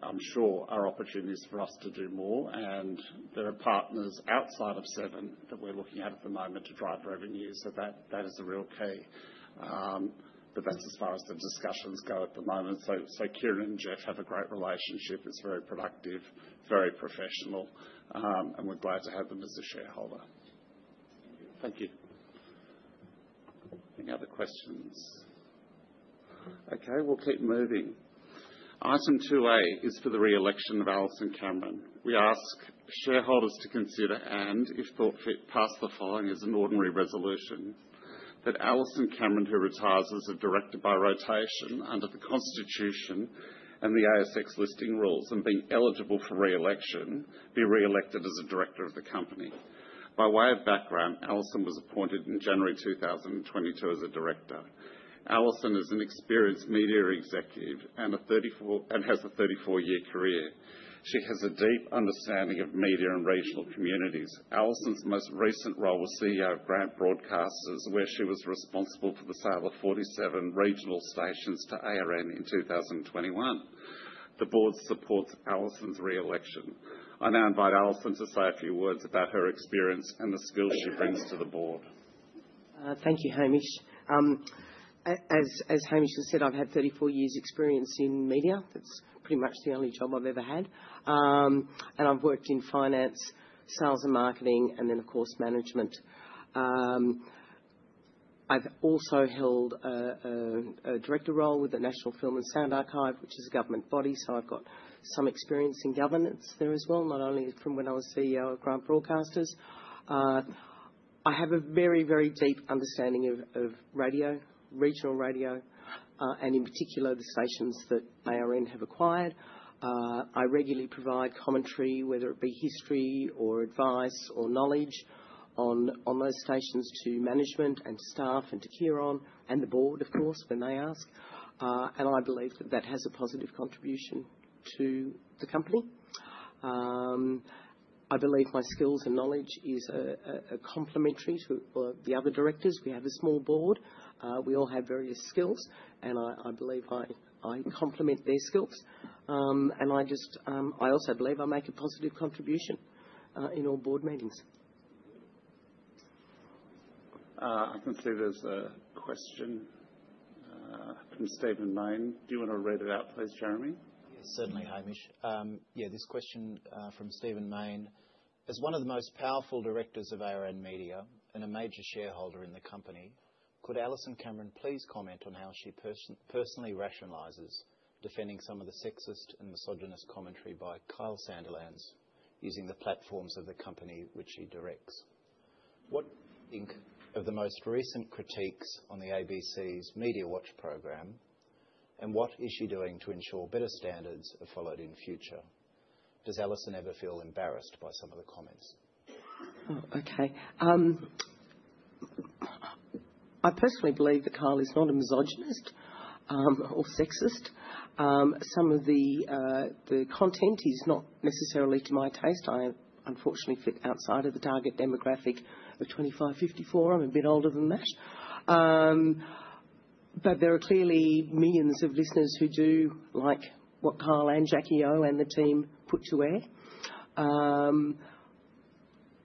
I'm sure, opportunities for us to do more, and there are partners outside of Seven that we're looking at at the moment to drive revenue. That is a real key. That's as far as the discussions go at the moment. Ciaran and Jeff have a great relationship. It's very productive, very professional, and we're glad to have them as a shareholder. Thank you. Any other questions? Okay. We'll keep moving. Item 2A is for the re-election of Alison Cameron. We ask shareholders to consider and, if thought fit, pass the following as an ordinary resolution: that Alison Cameron, who retires as a Director by rotation under the Constitution and the ASX listing rules, and being eligible for re-election, be re-elected as a Director of the company. By way of background, Alison was appointed in January 2022 as a Director. Alison is an experienced media executive and has a 34-year career. She has a deep understanding of media and regional communities. Alison's most recent role was CEO of Grant Broadcasters, where she was responsible for the sale of 47 regional stations to ARN in 2021. The Board supports Alison's re-election. I now invite Alison to say a few words about her experience and the skills she brings to the Board. Thank you, Hamish. As Hamish has said, I've had 34 years' experience in media. That's pretty much the only job I've ever had. I've worked in finance, sales, and marketing, and then, of course, management. I've also held a Director role with the National Film and Sound Archive, which is a government body. I've got some experience in governance there as well, not only from when I was CEO of Grant Broadcasters. I have a very, very deep understanding of radio, regional radio, and in particular, the stations that ARN have acquired. I regularly provide commentary, whether it be history or advice or knowledge on those stations to management and staff and to Ciaran and the Board, of course, when they ask. I believe that that has a positive contribution to the company. I believe my skills and knowledge is complementary to the other Directors. We have a small Board. We all have various skills, and I believe I complement their skills. I also believe I make a positive contribution in all board meetings. I can see there is a question from Stephen Main. Do you want to read it out, please, Jeremy? Yes, certainly, Hamish. This question is from Stephen Main. As one of the most powerful Directors of ARN Media and a major shareholder in the company, could Alison Cameron please comment on how she personally rationalizes defending some of the sexist and misogynist commentary by Kyle Sandilands using the platforms of the company which she directs? What do you think of the most recent critiques on the ABC's MediaWatch program, and what is she doing to ensure better standards are followed in future? Does Alison ever feel embarrassed by some of the comments? Okay. I personally believe that Kyle is not a misogynist or sexist. Some of the content is not necessarily to my taste. I unfortunately fit outside of the target demographic of 25-54. I'm a bit older than that. There are clearly millions of listeners who do like what Kyle and Jackie O and the team put to air.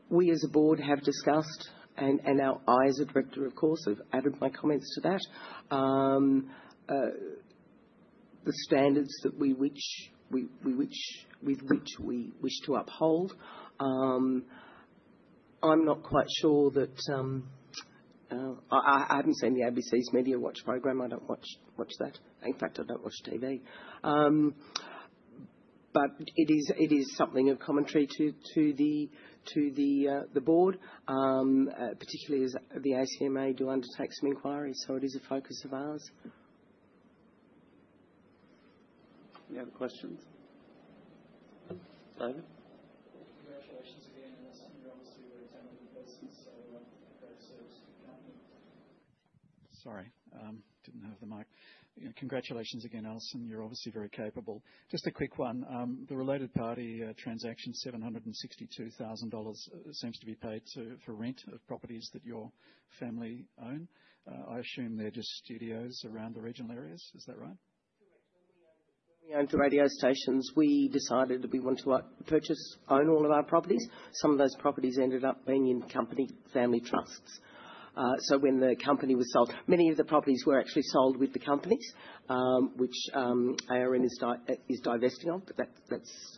We, as a Board, have discussed, and I, as a Director, of course, have added my comments to that, the standards with which we wish to uphold. I'm not quite sure that I haven't seen the ABC's Media Watch program. I don't watch that. In fact, I don't watch TV. It is something of commentary to the Board, particularly as the ACMA do undertake some inquiries. It is a focus of ours. Any other questions? David? Congratulations again, Alison. You're obviously a very talented person, so very service to the company. Sorry. Didn't have the mic. Congratulations again, Alison. You're obviously very capable. Just a quick one. The related party transaction, 762,000 dollars, seems to be paid for rent of properties that your family own. I assume they're just studios around the regional areas. Is that right? Correct. When we owned the radio stations, we decided that we want to purchase, own all of our properties. Some of those properties ended up being in company family trusts. When the company was sold, many of the properties were actually sold with the companies, which ARN is divesting of, but that's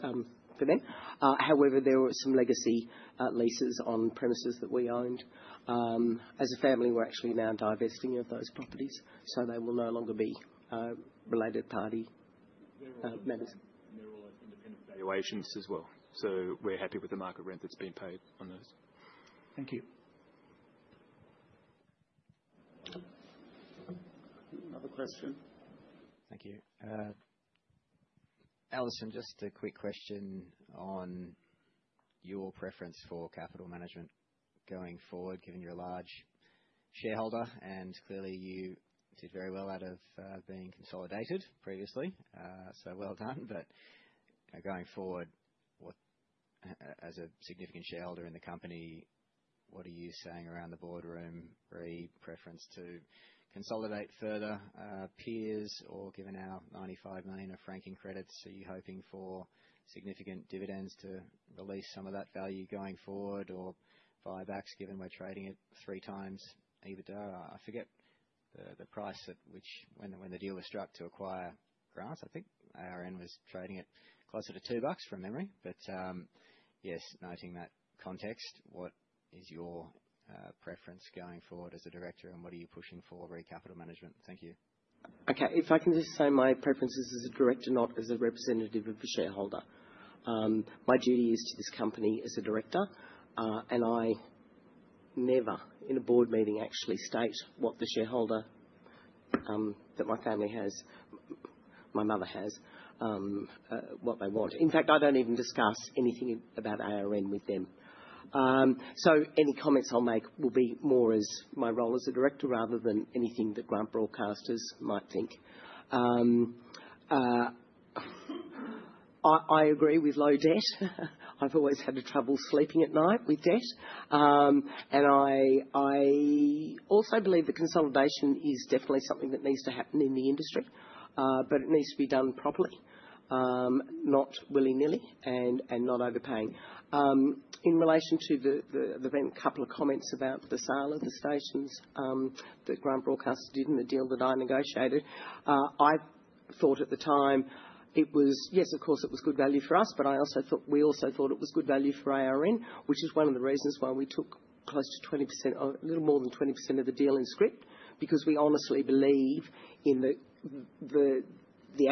for them. However, there were some legacy leases on premises that we owned. As a family, we're actually now divesting of those properties. They will no longer be related party members. They're all at independent valuations as well. We're happy with the market rent that's being paid on those. Thank you. Another question. Thank you. Alison, just a quick question on your preference for capital management going forward, given you're a large shareholder, and clearly you did very well out of being consolidated previously. So well done. Going forward, as a significant shareholder in the company, what are you saying around the boardroom? Preference to consolidate further peers or given our 95 million of franking credits? Are you hoping for significant dividends to release some of that value going forward or buybacks, given we're trading at three times? I forget the price at which when the deal was struck to acquire Grant Broadcasters. I think ARN was trading at closer to 2 bucks from memory. Yes, noting that context, what is your preference going forward as a Director, and what are you pushing for regarding capital management? Thank you. Okay. If I can just say my preference is as a Director, not as a representative of the shareholder. My duty is to this company as a Director, and I never in a board meeting actually state what the shareholder that my family has, my mother has, what they want. In fact, I do not even discuss anything about ARN with them. Any comments I will make will be more as my role as a Director rather than anything that Grant Broadcasters might think. I agree with low debt. I have always had trouble sleeping at night with debt. I also believe that consolidation is definitely something that needs to happen in the industry, but it needs to be done properly, not willy-nilly, and not overpaying. In relation to the couple of comments about the sale of the stations that Grant Broadcasters did in the deal that I negotiated, I thought at the time it was, yes, of course, it was good value for us, but I also thought we also thought it was good value for ARN, which is one of the reasons why we took close to 20%, a little more than 20% of the deal in script, because we honestly believe in the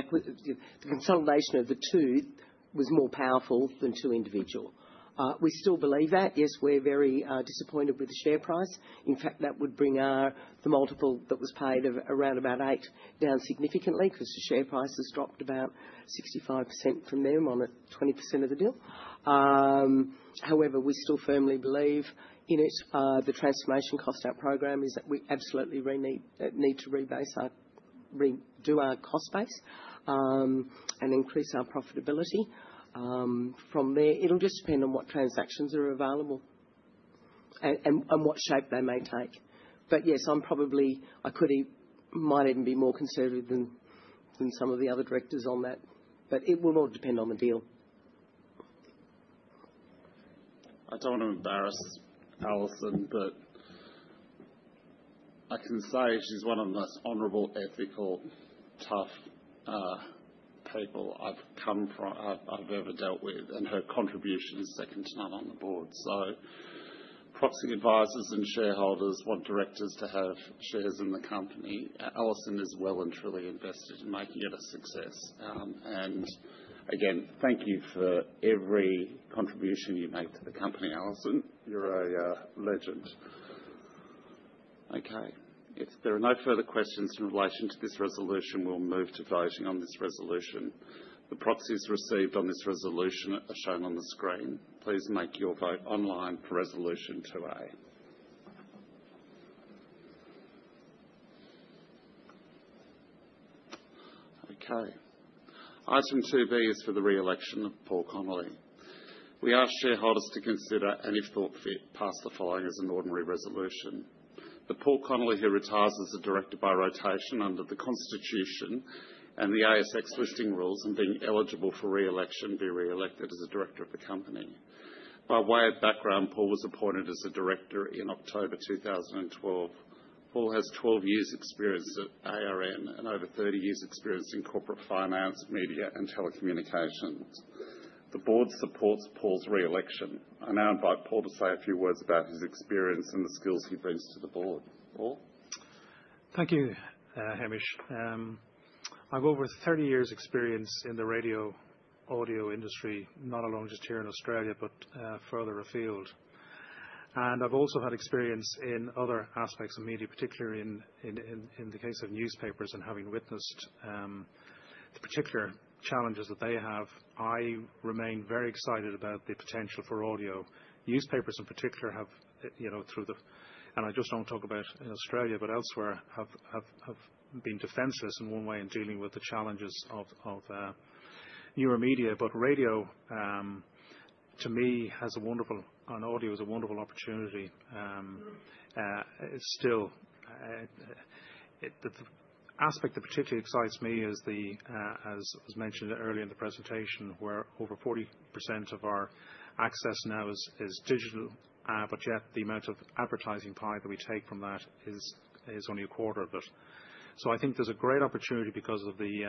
consolidation of the two was more powerful than two individual. We still believe that. Yes, we're very disappointed with the share price. In fact, that would bring the multiple that was paid of around about 8 down significantly because the share price has dropped about 65% from then on 20% of the deal. However, we still firmly believe in it. The transformation cost out program is that we absolutely need to redo our cost base and increase our profitability from there. It'll just depend on what transactions are available and what shape they may take. Yes, I could might even be more conservative than some of the other Directors on that. It will all depend on the deal. I don't want to embarrass Alison, but I can say she's one of the most honorable, ethical, tough people I've ever dealt with, and her contribution is second to none on the Board. Proxy advisors and shareholders want Directors to have shares in the company. Alison is well and truly invested in making it a success. Again, thank you for every contribution you make to the company, Alison. You're a legend. Okay. If there are no further questions in relation to this resolution, we'll move to voting on this resolution. The proxies received on this resolution are shown on the screen. Please make your vote online for Resolution 2A. Okay. Item 2B is for the re-election of Paul Connolly. We ask shareholders to consider and, if thought fit, pass the following as an ordinary resolution. That Paul Connolly, who retires as a Director by rotation under the Constitution and the ASX listing rules and being eligible for re-election, be re-elected as a Director of the company. By way of background, Paul was appointed as a Director in October 2012. Paul has 12 years' experience at ARN and over 30 years' experience in corporate finance, media, and telecommunications. The Board supports Paul's re-election. I now invite Paul to say a few words about his experience and the skills he brings to the Board. Thank you, Hamish. I've over 30 years' experience in the radio audio industry, not alone just here in Australia, but further afield. I've also had experience in other aspects of media, particularly in the case of newspapers and having witnessed the particular challenges that they have. I remain very excited about the potential for audio. Newspapers, in particular, have through the—and I just don't talk about in Australia, but elsewhere—have been defenseless in one way in dealing with the challenges of newer media. Radio, to me, has a wonderful—and audio is a wonderful opportunity. Still, the aspect that particularly excites me is, as was mentioned earlier in the presentation, where over 40% of our access now is digital, but yet the amount of advertising pie that we take from that is only a quarter of it. I think there's a great opportunity because of the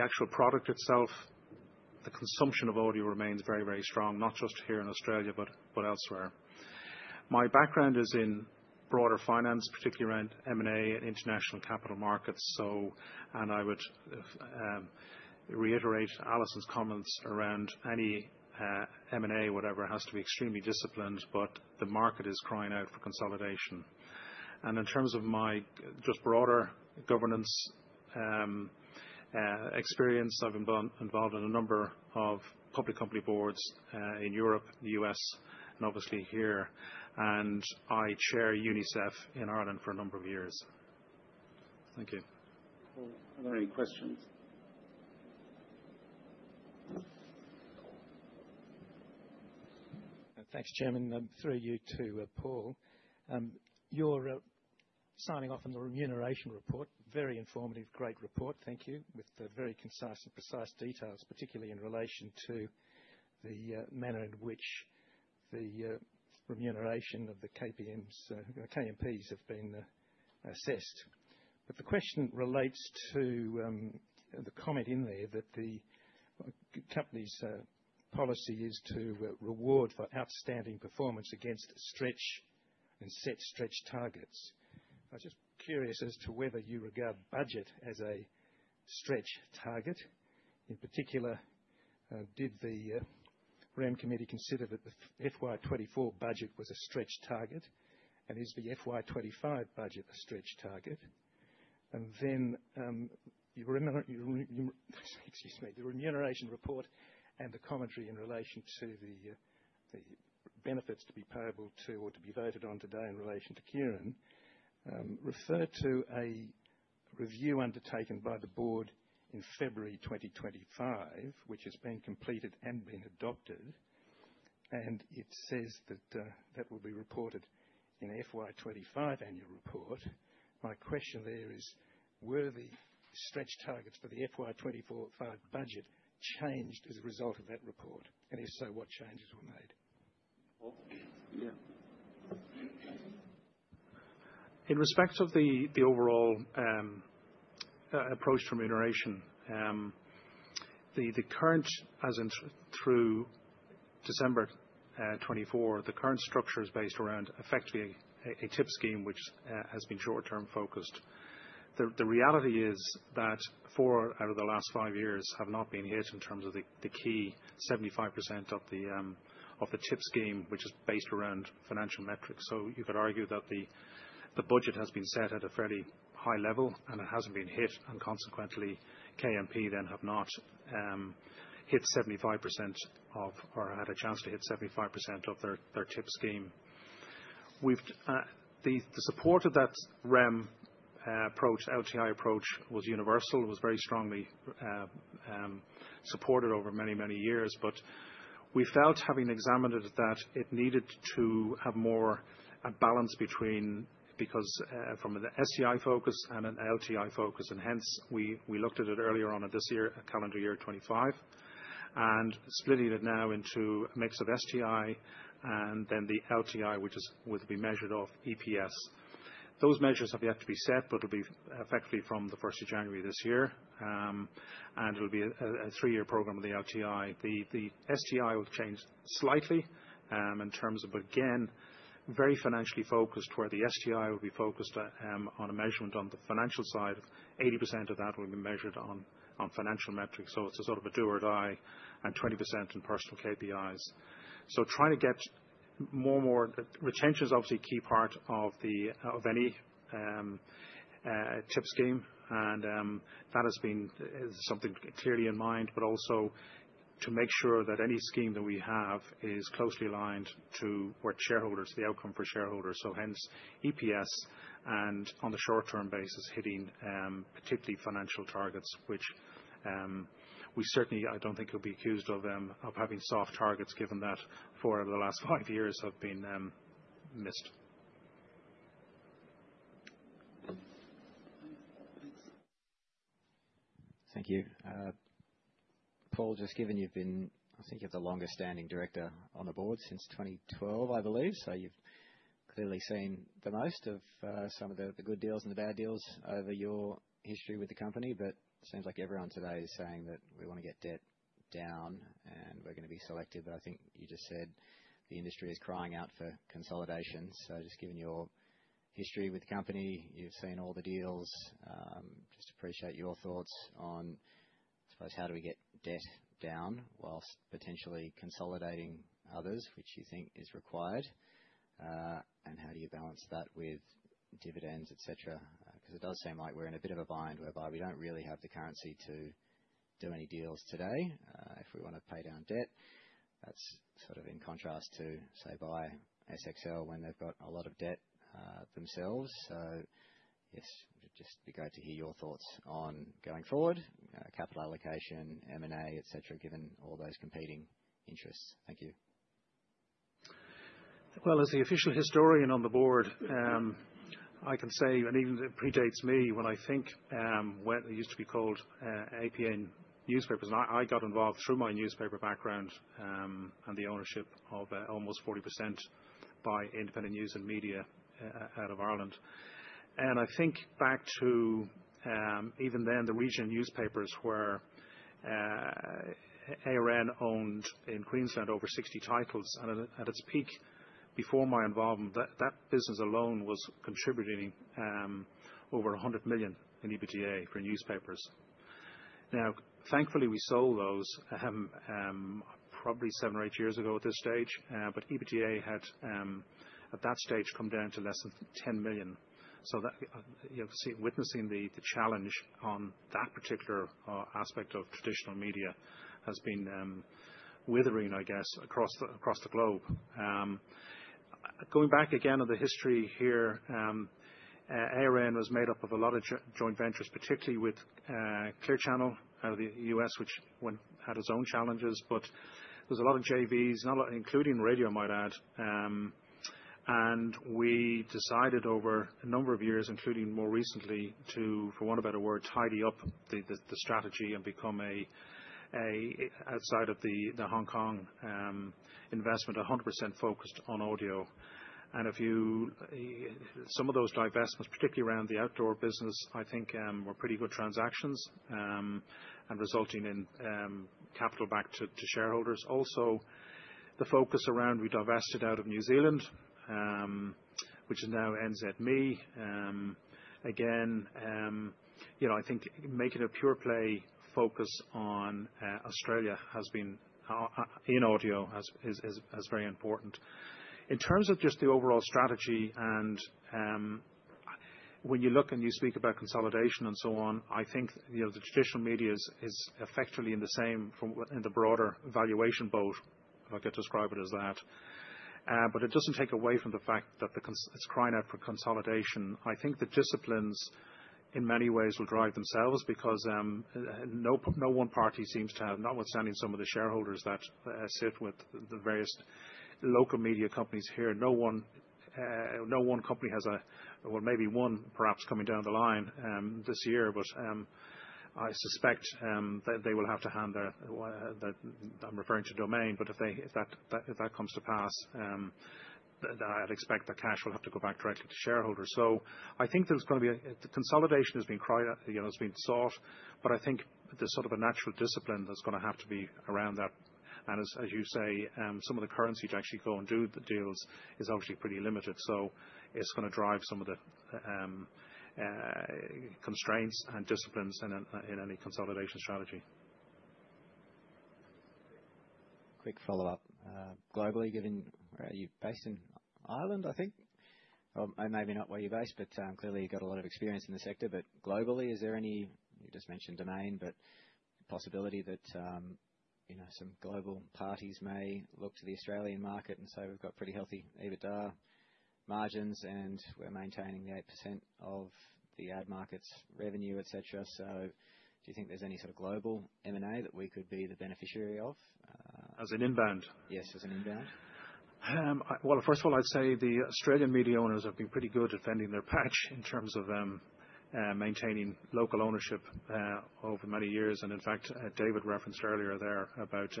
actual product itself. The consumption of audio remains very, very strong, not just here in Australia, but elsewhere. My background is in broader finance, particularly around M&A and international capital markets. I would reiterate Alison's comments around any M&A, whatever, has to be extremely disciplined, but the market is crying out for consolidation. In terms of my just broader governance experience, I've been involved in a number of public company boards in Europe, the U.S., and obviously here. I Chair UNICEF in Ireland for a number of years. Thank you. Are there any questions? Thanks, Chairman. Through you to Paul. You're signing off on the remuneration report. Very informative, great report. Thank you. With very concise and precise details, particularly in relation to the manner in which the remuneration of the KMPs have been assessed. The question relates to the comment in there that the company's policy is to reward for outstanding performance against stretch and set stretch targets. I'm just curious as to whether you regard budget as a stretch target. In particular, did the RAM committee consider that the FY 2024 budget was a stretch target, and is the FY 2025 budget a stretch target? You remember—excuse me—the remuneration report and the commentary in relation to the benefits to be payable to or to be voted on today in relation to Ciaran refer to a review undertaken by the Board in February 2025, which has been completed and been adopted, and it says that that will be reported in the FY 2025 annual report. My question there is, were the stretch targets for the FY 2025 budget changed as a result of that report? If so, what changes were made? Paul? Yeah. In respect of the overall approach to remuneration, the current, through December 2024, the current structure is based around effectively a tip scheme, which has been short-term focused. The reality is that four out of the last five years have not been hit in terms of the key 75% of the tip scheme, which is based around financial metrics. You could argue that the budget has been set at a fairly high level, and it has not been hit, and consequently, KMP then have not hit 75% or had a chance to hit 75% of their tip scheme. The support of that RAM approach, LTI approach, was universal. It was very strongly supported over many, many years. We felt, having examined it, that it needed to have more a balance between—because from an STI focus and an LTI focus—and hence we looked at it earlier on this year, calendar year 2025, and splitting it now into a mix of STI and then the LTI, which will be measured off EPS. Those measures have yet to be set, but it'll be effectively from the 1st of January this year, and it'll be a three-year program of the LTI. The STI will change slightly in terms of, again, very financially focused where the STI will be focused on a measurement on the financial side. 80% of that will be measured on financial metrics. So it's a sort of a do or die, and 20% in personal KPIs. Trying to get more and more—retention is obviously a key part of any tip scheme, and that has been something clearly in mind, but also to make sure that any scheme that we have is closely aligned to what shareholders, the outcome for shareholders. Hence EPS and on the short-term basis hitting particularly financial targets, which we certainly—I do not think it will be accused of them of having soft targets given that four out of the last five years have been missed. Thanks. Thank you. Paul, just given you have been—I think you are the longest standing Director on the Board since 2012, I believe. You have clearly seen the most of some of the good deals and the bad deals over your history with the company. It seems like everyone today is saying that we want to get debt down, and we are going to be selective. I think you just said the industry is crying out for consolidation. Just given your history with the company, you've seen all the deals. Just appreciate your thoughts on, I suppose, how do we get debt down whilst potentially consolidating others, which you think is required? How do you balance that with dividends, etc.? It does seem like we're in a bit of a bind whereby we don't really have the currency to do any deals today if we want to pay down debt. That's sort of in contrast to, say, buy SCA when they've got a lot of debt themselves. Yes, it would just be great to hear your thoughts on going forward, capital allocation, M&A, etc., given all those competing interests. Thank you. As the official historian on the Board, I can say, and even it predates me when I think what used to be called APN News & Media. I got involved through my newspaper background and the ownership of almost 40% by Independent News and Media out of Ireland. I think back to even then the regional newspapers where ARN owned in Queensland over 60 titles. At its peak before my involvement, that business alone was contributing over 100 million in EBITDA for newspapers. Thankfully, we sold those probably seven or eight years ago at this stage, but EBITDA had at that stage come down to less than 10 million. Witnessing the challenge on that particular aspect of traditional media has been withering, I guess, across the globe. Going back again to the history here, ARN was made up of a lot of joint ventures, particularly with Clear Channel out of the U.S., which had its own challenges. There was a lot of JVs, including radio, I might add. We decided over a number of years, including more recently, to, for want of a better word, tidy up the strategy and become, outside of the Hong Kong investment, 100% focused on audio. Some of those divestments, particularly around the outdoor business, I think were pretty good transactions and resulted in capital back to shareholders. Also, the focus around we divested out of New Zealand, which is now NZME. Again, I think making a pure play focus on Australia in audio is very important. In terms of just the overall strategy, and when you look and you speak about consolidation and so on, I think the traditional media is effectively in the same in the broader valuation boat, if I could describe it as that. It does not take away from the fact that it is crying out for consolidation. I think the disciplines in many ways will drive themselves because no one party seems to have—notwithstanding some of the shareholders that sit with the various local media companies here, no one company has a—well, maybe one perhaps coming down the line this year, but I suspect that they will have to hand their—I am referring to Domain. If that comes to pass, I would expect the cash will have to go back directly to shareholders. I think there's going to be a consolidation that has been cried out for, it's been sought, but I think there's sort of a natural discipline that's going to have to be around that. As you say, some of the currency to actually go and do the deals is obviously pretty limited. It's going to drive some of the constraints and disciplines in any consolidation strategy. Quick follow-up. Globally, given you're based in Ireland, I think, or maybe not where you're based, but clearly you've got a lot of experience in the sector. Globally, is there any—you just mentioned Domain—the possibility that some global parties may look to the Australian market? We've got pretty healthy EBITDA margins, and we're maintaining the 8% of the ad market's revenue, etc. Do you think there's any sort of global M&A that we could be the beneficiary of? As an inbound? Yes, as an inbound. First of all, I'd say the Australian media owners have been pretty good at fending their patch in terms of maintaining local ownership over many years. In fact, David referenced earlier there about,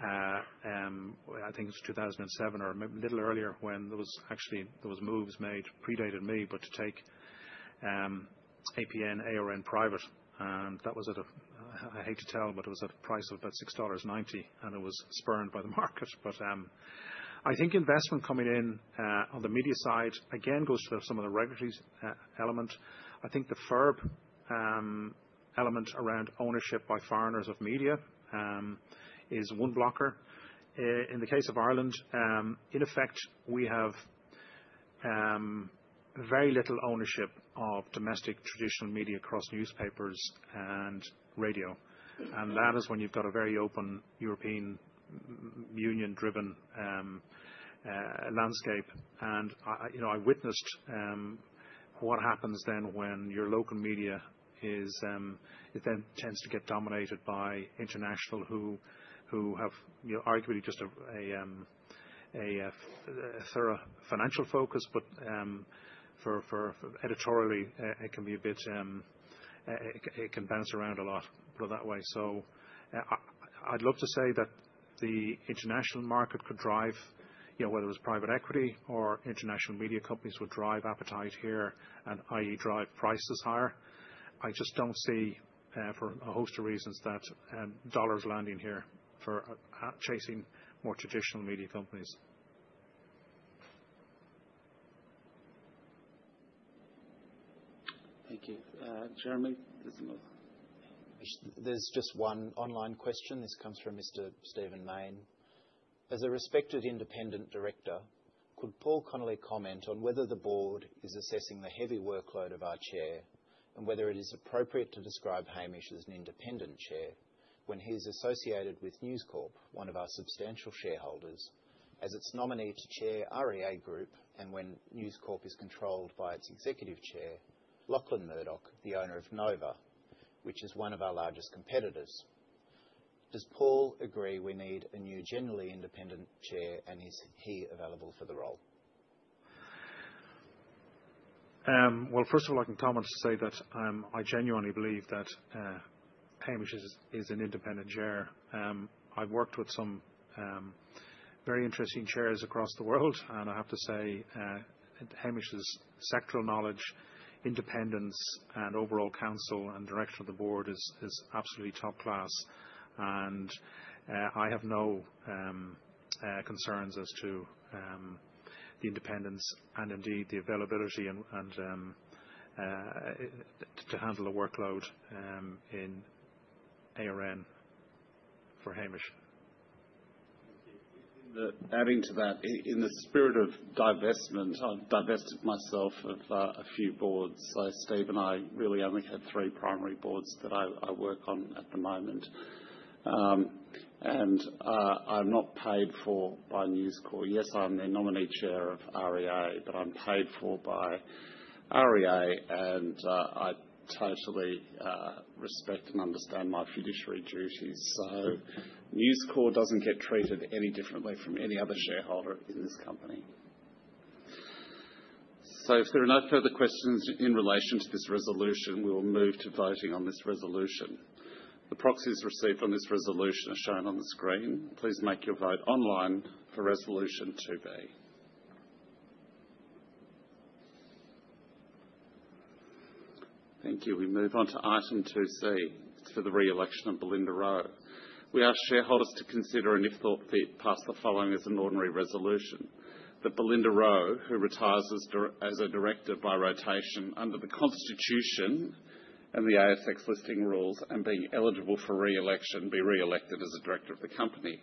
I think it was 2007 or a little earlier when there was actually—there were moves made predated me, but to take APN, ARN, private. That was at a—I hate to tell, but it was at a price of about 6.90 dollars, and it was spurned by the market. I think investment coming in on the media side again goes to some of the regulatory element. I think the FERB element around ownership by foreigners of media is a wound blocker. In the case of Ireland, in effect, we have very little ownership of domestic traditional media across newspapers and radio. That is when you have a very open European Union-driven landscape. I witnessed what happens then when your local media tends to get dominated by international who have arguably just a thorough financial focus, but editorially, it can be a bit—it can bounce around a lot that way. I would love to say that the international market could drive, whether it was private equity or international media companies, would drive appetite here and, i.e., drive prices higher. I just do not see, for a host of reasons, that dollars landing here for chasing more traditional media companies. Thank you. Jeremy, there is another. There is just one online question. This comes from Mr. Stephen Main. As a respected independent director, could Paul Connolly comment on whether the Board is assessing the heavy workload of our Chair and whether it is appropriate to describe Hamish as an independent Chair when he is associated with News Corp, one of our substantial shareholders, as its nominee to Chair REA Group, and when News Corp is controlled by its Executive Chair, Lachlan Murdoch, the owner of Nova, which is one of our largest competitors? Does Paul agree we need a new generally independent Chair, and is he available for the role? First of all, I can comment to say that I genuinely believe that Hamish is an independent Chair. I've worked with some very interesting Chairs across the world, and I have to say Hamish's sectoral knowledge, independence, and overall counsel and direction of the Board is absolutely top class. I have no concerns as to the independence and indeed the availability to handle the workload in ARN for Hamish. Thank you. Adding to that, in the spirit of divestment, I've divested myself of a few boards. Steve and I really only have three primary boards that I work on at the moment. I'm not paid for by News Corp. Yes, I'm the nominee Chair of REA, but I'm paid for by REA, and I totally respect and understand my fiduciary duties. News Corp doesn't get treated any differently from any other shareholder in this company. If there are no further questions in relation to this resolution, we will move to voting on this resolution. The proxies received on this resolution are shown on the screen. Please make your vote online for Resolution 2B. Thank you. We move on to item 2C. It's for the reelection of Belinda Rowe. We ask shareholders to consider and, if thought fit, pass the following as an ordinary resolution: that Belinda Rowe, who retires as a Director by rotation under the Constitution and the ASX listing rules and being eligible for reelection, be reelected as a Director of the company.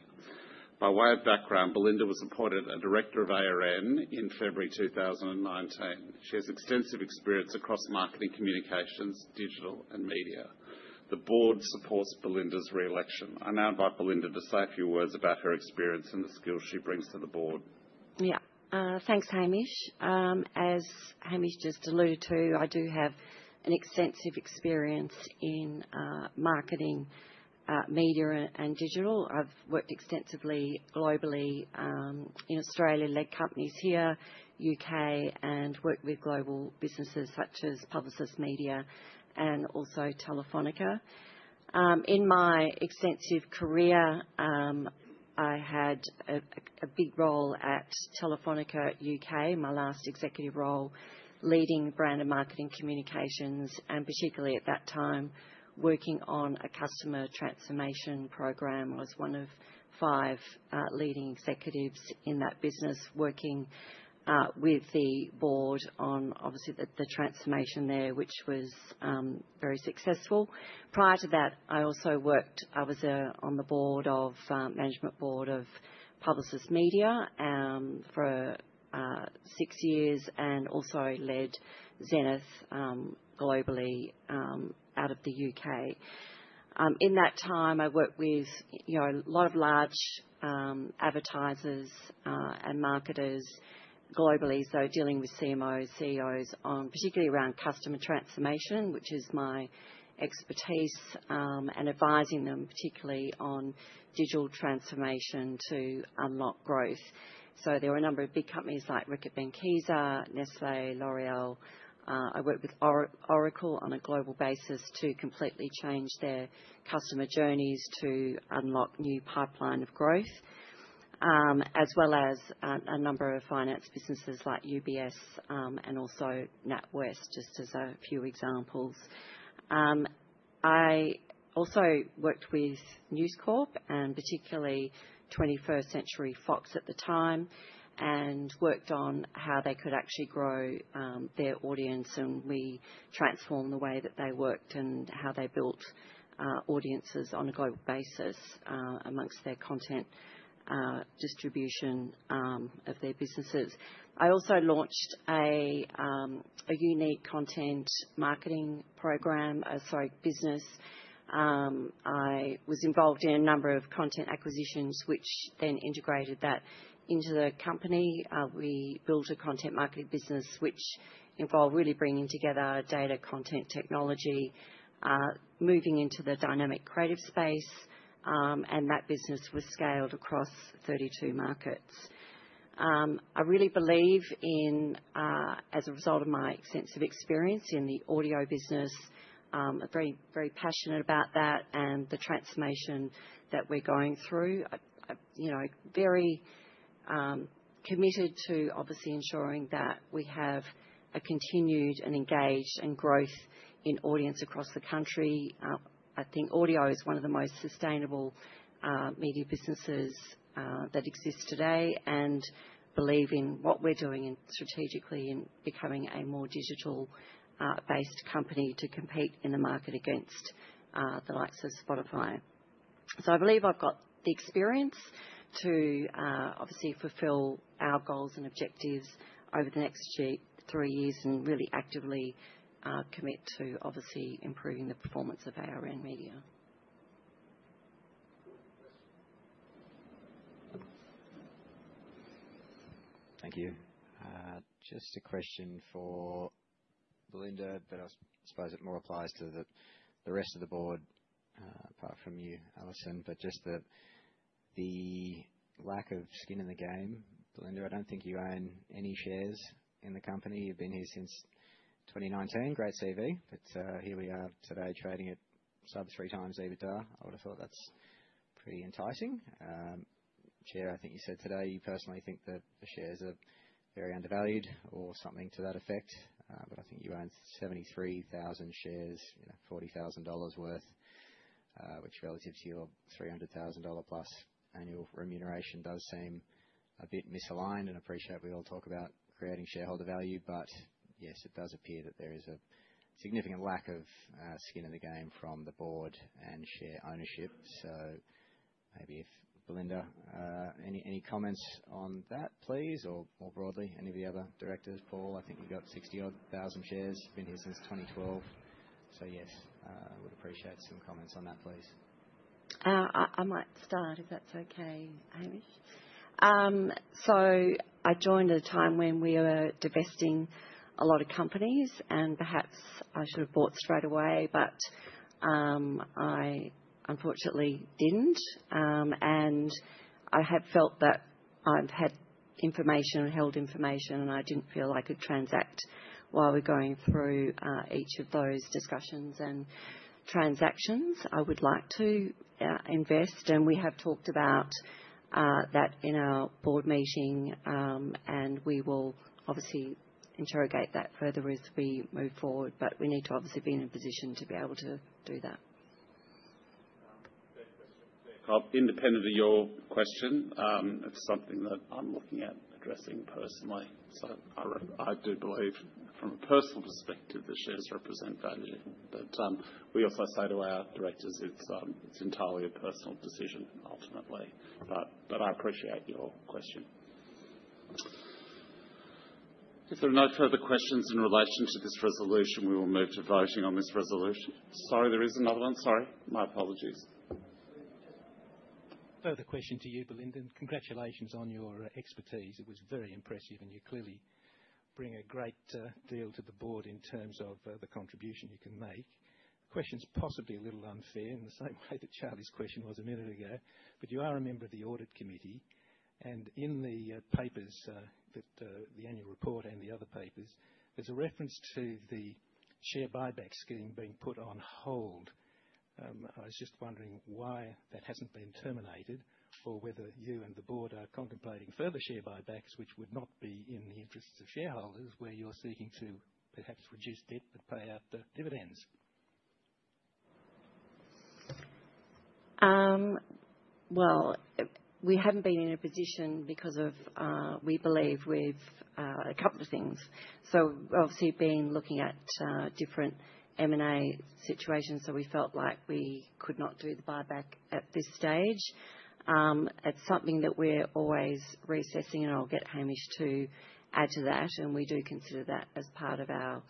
By way of background, Belinda was appointed a Director of ARN in February 2019. She has extensive experience across marketing, communications, digital, and media. The Board supports Belinda's reelection. I now invite Belinda to say a few words about her experience and the skills she brings to the Board. Yeah. Thanks, Hamish. As Hamish just alluded to, I do have an extensive experience in marketing, media, and digital. I've worked extensively globally in Australia, led companies here, U.K., and worked with global businesses such as Publicis Media and also Telefonica. In my extensive career, I had a big role at Telefonica U.K., my last executive role, leading brand and marketing communications. Particularly at that time, working on a customer transformation program, I was one of five leading executives in that business, working with the Board on, obviously, the transformation there, which was very successful. Prior to that, I also worked on the Board of Management Board of Publicis Media for six years and also led Zenith globally out of the U.K. In that time, I worked with a lot of large advertisers and marketers globally, so dealing with CMOs, CEOs, particularly around customer transformation, which is my expertise, and advising them particularly on digital transformation to unlock growth. There were a number of big companies like Reckitt Benckiser, Nestlé, L'Oréal. I worked with Oracle on a global basis to completely change their customer journeys to unlock a new pipeline of growth, as well as a number of finance businesses like UBS and also NatWest, just as a few examples. I also worked with News Corp and particularly 21st Century Fox at the time and worked on how they could actually grow their audience. We transformed the way that they worked and how they built audiences on a global basis amongst their content distribution of their businesses. I also launched a unique content marketing program, sorry, business. I was involved in a number of content acquisitions, which then integrated that into the company. We built a content marketing business, which involved really bringing together data, content, technology, moving into the dynamic creative space. That business was scaled across 32 markets. I really believe in, as a result of my extensive experience in the audio business, I'm very, very passionate about that and the transformation that we're going through. Very committed to, obviously, ensuring that we have a continued and engaged and growth in audience across the country. I think audio is one of the most sustainable media businesses that exists today and believe in what we're doing strategically in becoming a more digital-based company to compete in the market against the likes of Spotify. I believe I've got the experience to, obviously, fulfill our goals and objectives over the next three years and really actively commit to, obviously, improving the performance of ARN Media. Thank you. Just a question for Belinda, but I suppose it more applies to the rest of the Board apart from you, Alison. Just the lack of skin in the game. Belinda, I do not think you own any shares in the company. You have been here since 2019. Great CV. Here we are today trading at sub-three times EBITDA. I would have thought that is pretty enticing. Chair, I think you said today you personally think that the shares are very undervalued or something to that effect. I think you own 73,000 shares, 40,000 dollars worth, which relative to your 300,000+ dollar annual remuneration does seem a bit misaligned. I appreciate we all talk about creating shareholder value, but yes, it does appear that there is a significant lack of skin in the game from the Board and share ownership. Maybe, Belinda, any comments on that, please, or more broadly, any of the other Directors? Paul, I think you have 60,000 shares. You have been here since 2012. Yes, I would appreciate some comments on that, please. I might start, if that's okay, Hamish. I joined at a time when we were divesting a lot of companies, and perhaps I should have bought straight away, but I unfortunately didn't. I had felt that I'd had information and held information, and I didn't feel I could transact while we were going through each of those discussions and transactions. I would like to invest, and we have talked about that in our board meeting, and we will obviously interrogate that further as we move forward. We need to obviously be in a position to be able to do that. Independent of your question, it's something that I'm looking at addressing personally. I do believe from a personal perspective that shares represent value. We also say to our Directors it's entirely a personal decision, ultimately. I appreciate your question. If there are no further questions in relation to this resolution, we will move to voting on this resolution. Sorry, there is another one. Sorry. My apologies. Further question to you, Belinda. Congratulations on your expertise. It was very impressive, and you clearly bring a great deal to the Board in terms of the contribution you can make. The question's possibly a little unfair in the same way that Charlie's question was a minute ago. You are a member of the Audit Committee. In the papers, the annual report and the other papers, there's a reference to the share buyback scheme being put on hold. I was just wondering why that hasn't been terminated or whether you and the Board are contemplating further share buybacks, which would not be in the interests of shareholders, where you're seeking to perhaps reduce debt but pay out the dividends. We have not been in a position because of, we believe, a couple of things. Obviously, looking at different M&A situations, we felt like we could not do the buyback at this stage. It is something that we are always reassessing, and I will get Hamish to add to that. We do consider that as part of our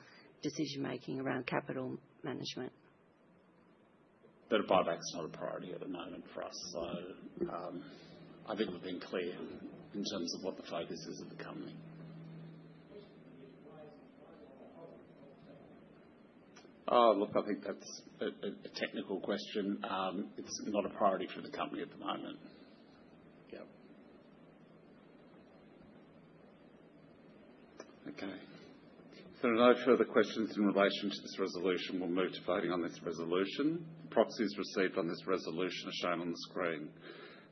decision-making around capital management. A buyback is not a priority at the moment for us. I think we have been clear in terms of what the focus is of the company. I think that is a technical question. It is not a priority for the company at the moment. Yep. Okay. If there are no further questions in relation to this resolution, we will move to voting on this resolution. The proxies received on this resolution are shown on the screen.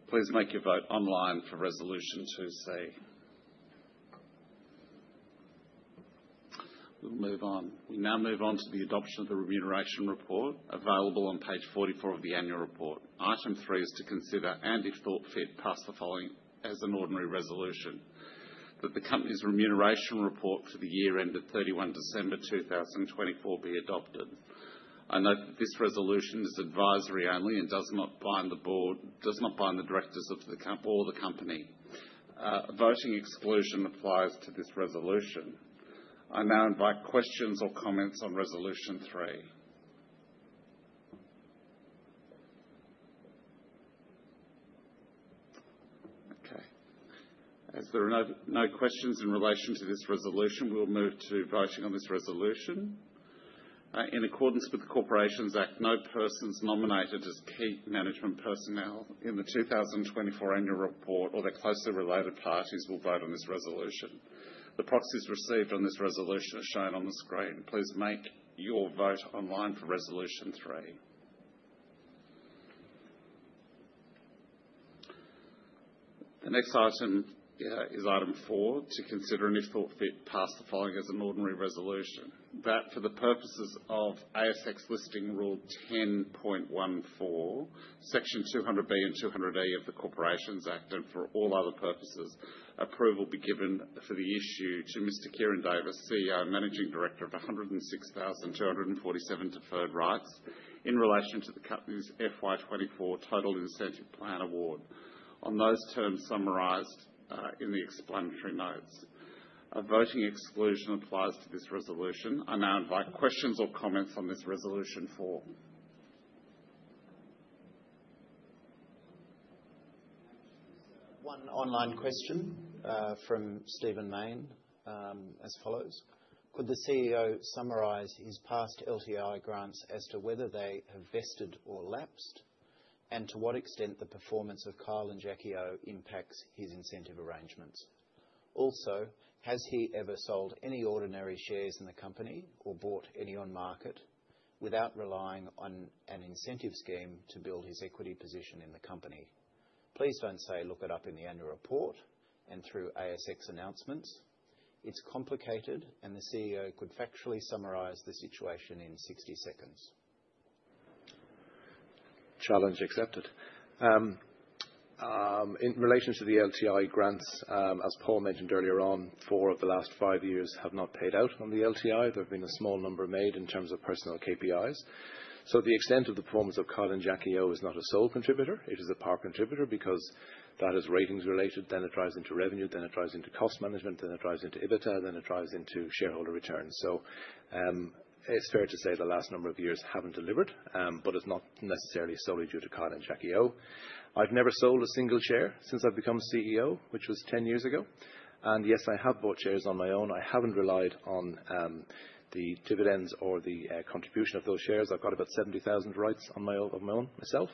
Please make your vote online for Resolution 2C. We will move on. We now move on to the adoption of the remuneration report available on page 44 of the annual report. Item 3 is to consider, and if thought fit, pass the following as an ordinary resolution: that the company's remuneration report for the year ended 31 December 2024 be adopted. I note that this resolution is advisory only and does not bind the Board, does not bind the Directors of all the company. Voting exclusion applies to this resolution. I now invite questions or comments on Resolution 3. Okay. As there are no questions in relation to this resolution, we will move to voting on this resolution. In accordance with the Corporations Act, no persons nominated as key management personnel in the 2024 annual report or their closely related parties will vote on this resolution. The proxies received on this resolution are shown on the screen. Please make your vote online for Resolution 3. The next item is item four: to consider and, if thought fit, pass the following as an ordinary resolution: that for the purposes of ASX listing rule 10.14, section 200B and 200E of the Corporations Act, and for all other purposes, approval be given for the issue to Mr. Ciaran Davis, CEO, Managing Director of 106,247 deferred rights in relation to the company's FY 2024 Total Incentive Plan award, on those terms summarised in the explanatory notes. A voting exclusion applies to this resolution. I now invite questions or comments on this resolution. One online question from Stephen Main as follows: Could the CEO summarise his past LTI grants as to whether they have vested or lapsed, and to what extent the performance of Kyle and Jackie O impacts his incentive arrangements? Also, has he ever sold any ordinary shares in the company or bought any on market without relying on an incentive scheme to build his equity position in the company? Please don't say, "Look it up in the annual report and through ASX announcements." It's complicated, and the CEO could factually summarize the situation in 60 seconds. Challenge accepted. In relation to the LTI grants, as Paul mentioned earlier on, four of the last five years have not paid out on the LTI. There have been a small number made in terms of personal KPIs. So the extent of the performance of Kyle and Jackie O is not a sole contributor. It is a part contributor because that is ratings-related. Then it drives into revenue. Then it drives into cost management. Then it drives into EBITDA. Then it drives into shareholder returns. It's fair to say the last number of years haven't delivered, but it's not necessarily solely due to Kyle and Jackie O. I've never sold a single share since I've become CEO, which was 10 years ago. Yes, I have bought shares on my own. I haven't relied on the dividends or the contribution of those shares. I've got about 70,000 rights of my own myself.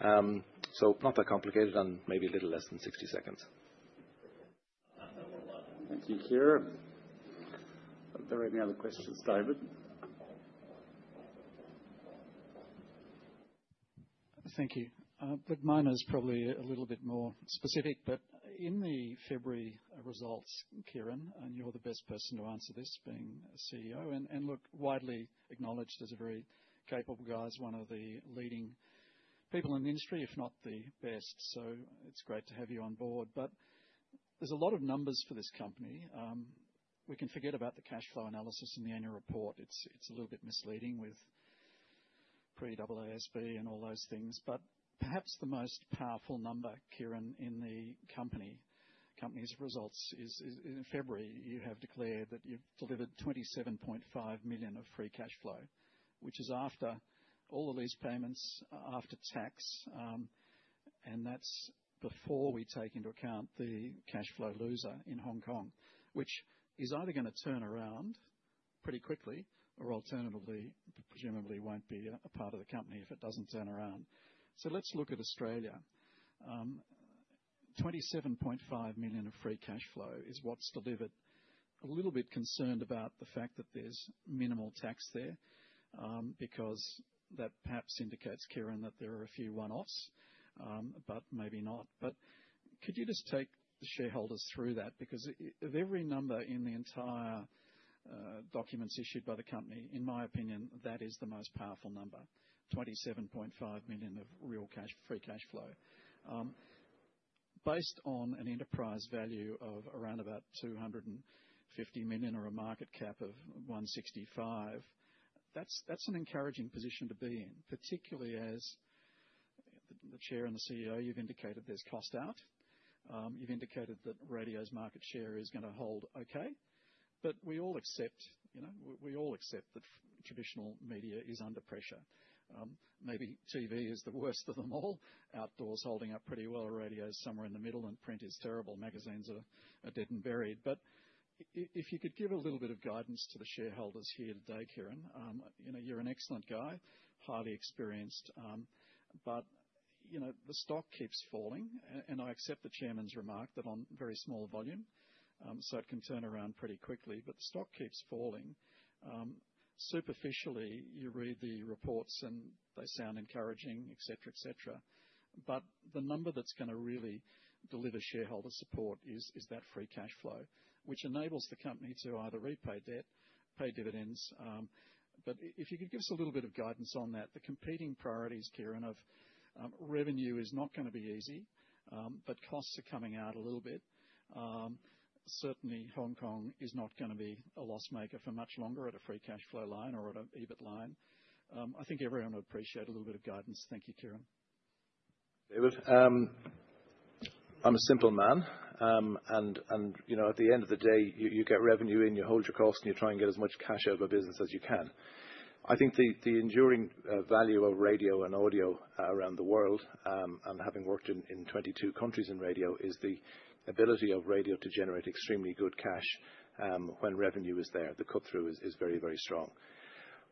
Not that complicated and maybe a little less than 60 seconds. Thank you, Ciaran. There are no other questions, David. Thank you. Mine is probably a little bit more specific. In the February results, Ciaran, and you're the best person to answer this being a CEO and, look, widely acknowledged as a very capable guy, as one of the leading people in the industry, if not the best. It's great to have you on board. There are a lot of numbers for this company. We can forget about the cash flow analysis in the annual report. It is a little bit misleading with pre-ASB and all those things. Perhaps the most powerful number, Ciaran, in the company's results is in February, you have declared that you have delivered 27.5 million of free cash flow, which is after all the lease payments, after tax. That is before we take into account the cash flow loser in Hong Kong, which is either going to turn around pretty quickly or alternatively, presumably, will not be a part of the company if it does not turn around. Let us look at Australia. 27.5 million of free cash flow is what is delivered. I am a little bit concerned about the fact that there is minimal tax there because that perhaps indicates, Ciaran, that there are a few one-offs, but maybe not. Could you just take the shareholders through that? Because of every number in the entire documents issued by the company, in my opinion, that is the most powerful number: 27.5 million of real free cash flow. Based on an enterprise value of around about 250 million or a market cap of 165 million, that's an encouraging position to be in, particularly as the Chair and the CEO, you've indicated there's cost out. You've indicated that radio's market share is going to hold okay. We all accept that traditional media is under pressure. Maybe TV is the worst of them all, outdoors holding up pretty well or radio's somewhere in the middle and print is terrible, magazines are dead and buried. If you could give a little bit of guidance to the shareholders here today, Ciaran, you're an excellent guy, highly experienced. The stock keeps falling. I accept the Chairman's remark that on very small volume, so it can turn around pretty quickly. The stock keeps falling. Superficially, you read the reports and they sound encouraging, etc., etc. The number that's going to really deliver shareholder support is that free cash flow, which enables the company to either repay debt or pay dividends. If you could give us a little bit of guidance on that, the competing priorities, Ciaran, of revenue is not going to be easy, but costs are coming out a little bit. Certainly, Hong Kong is not going to be a loss maker for much longer at a free cash flow line or at an EBIT line. I think everyone would appreciate a little bit of guidance. Thank you, Ciaran. David, I'm a simple man. At the end of the day, you get revenue in, you hold your cost, and you try and get as much cash out of a business as you can. I think the enduring value of radio and audio around the world, and having worked in 22 countries in radio, is the ability of radio to generate extremely good cash when revenue is there. The cut-through is very, very strong.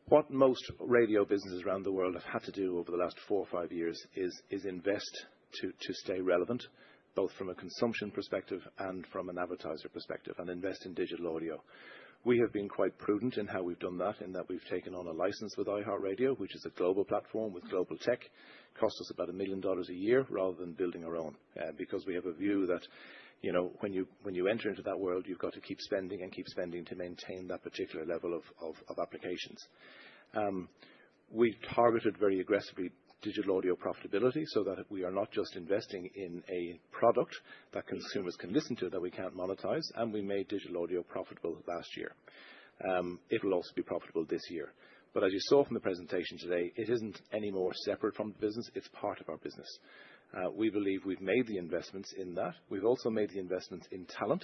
What most radio businesses around the world have had to do over the last four or five years is invest to stay relevant, both from a consumption perspective and from an advertiser perspective, and invest in digital audio. We have been quite prudent in how we've done that, in that we've taken on a license with iHeartRadio, which is a global platform with global tech, costs us about 1 million dollars a year rather than building our own, because we have a view that when you enter into that world, you've got to keep spending and keep spending to maintain that particular level of applications. We've targeted very aggressively digital audio profitability so that we are not just investing in a product that consumers can listen to that we can't monetize. We made digital audio profitable last year. It will also be profitable this year. As you saw from the presentation today, it is not any more separate from the business. It is part of our business. We believe we've made the investments in that. We've also made the investments in talent,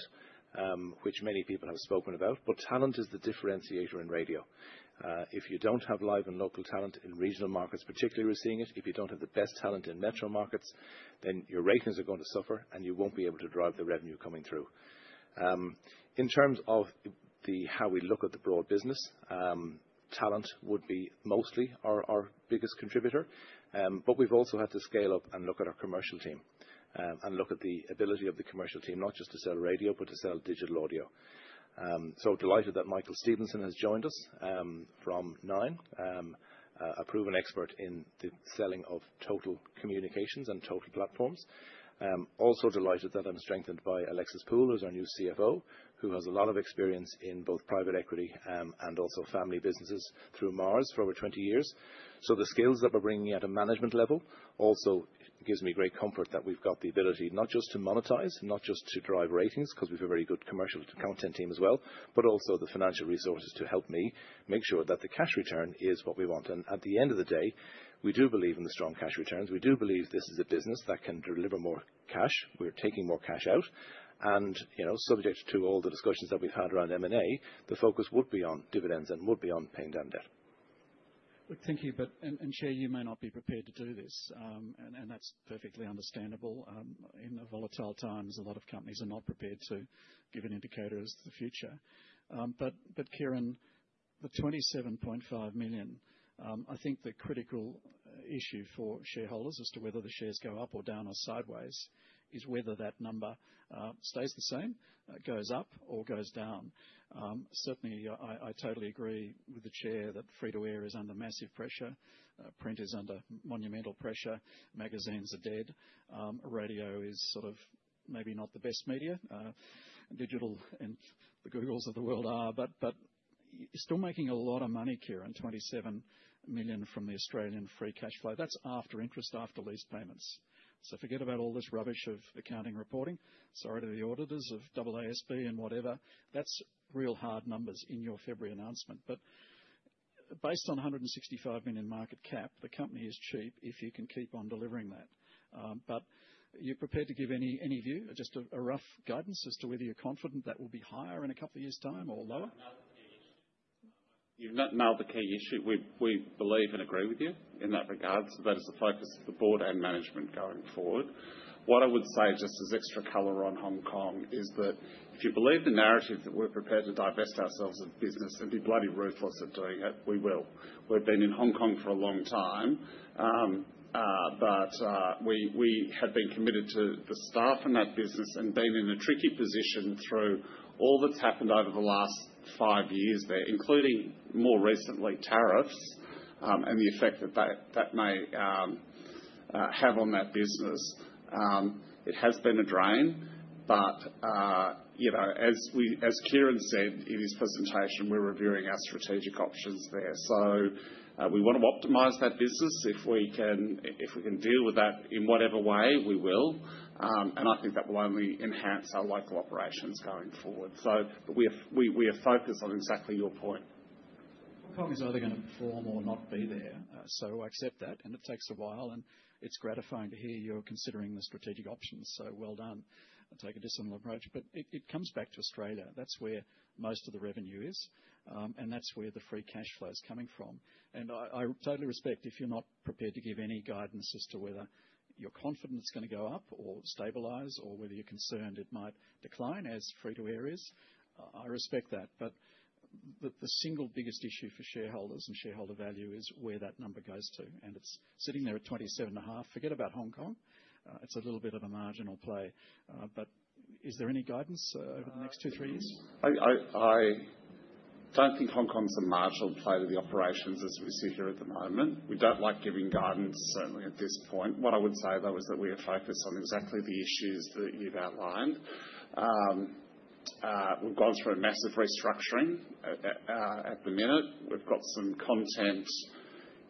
which many people have spoken about. Talent is the differentiator in radio. If you don't have live and local talent in regional markets, particularly we're seeing it, if you don't have the best talent in metro markets, then your ratings are going to suffer, and you won't be able to drive the revenue coming through. In terms of how we look at the broad business, talent would be mostly our biggest contributor. We have also had to scale up and look at our commercial team and look at the ability of the commercial team, not just to sell radio, but to sell digital audio. Delighted that Michael Stevenson has joined us from Nine, a proven expert in the selling of total communications and total platforms. Also delighted that I'm strengthened by Alexis Poole, who's our new CFO, who has a lot of experience in both private equity and also family businesses through Mars for over 20 years. The skills that we're bringing at a management level also gives me great comfort that we've got the ability not just to monetize, not just to drive ratings because we've a very good commercial content team as well, but also the financial resources to help me make sure that the cash return is what we want. At the end of the day, we do believe in the strong cash returns. We do believe this is a business that can deliver more cash. We're taking more cash out. Subject to all the discussions that we've had around M&A, the focus would be on dividends and would be on paying down debt. Look, thank you. But, Chair, you may not be prepared to do this. That is perfectly understandable. In volatile times, a lot of companies are not prepared to give an indicator as to the future. Ciaran, the 27.5 million, I think the critical issue for shareholders as to whether the shares go up or down or sideways is whether that number stays the same, goes up, or goes down. Certainly, I totally agree with the Chair that Free to Air is under massive pressure. Print is under monumental pressure. Magazines are dead. Radio is sort of maybe not the best media. Digital and the Googles of the world are. You are still making a lot of money, Ciaran, 27 million from the Australian free cash flow. That is after interest, after lease payments. Forget about all this rubbish of accounting reporting. Sorry to the auditors of AASB and whatever. That's real hard numbers in your February announcement. Based on 165 million market cap, the company is cheap if you can keep on delivering that. Are you prepared to give any view, just a rough guidance as to whether you're confident that will be higher in a couple of years' time or lower? You've not nailed the key issue. We believe and agree with you in that regard. That is the focus of the Board and management going forward. What I would say just as extra color on Hong Kong is that if you believe the narrative that we're prepared to divest ourselves of business and be bloody ruthless at doing it, we will. We've been in Hong Kong for a long time. We have been committed to the staff and that business and been in a tricky position through all that has happened over the last five years there, including more recently tariffs and the effect that that may have on that business. It has been a drain. As Ciaran said in his presentation, we are reviewing our strategic options there. We want to optimize that business. If we can deal with that in whatever way, we will. I think that will only enhance our local operations going forward. We are focused on exactly your point. Hong Kong is either going to perform or not be there. I accept that. It takes a while. It is gratifying to hear you are considering the strategic options. Well done. Take a disciplined approach. It comes back to Australia. That is where most of the revenue is. That's where the free cash flow is coming from. I totally respect if you're not prepared to give any guidance as to whether you're confident it's going to go up or stabilize or whether you're concerned it might decline as Free to Air is. I respect that. The single biggest issue for shareholders and shareholder value is where that number goes to. It's sitting there at 27.5. Forget about Hong Kong. It's a little bit of a marginal play. Is there any guidance over the next two, three years? I don't think Hong Kong's a marginal play to the operations as we sit here at the moment. We don't like giving guidance, certainly, at this point. What I would say, though, is that we are focused on exactly the issues that you've outlined. We've gone through a massive restructuring at the minute. We've got some content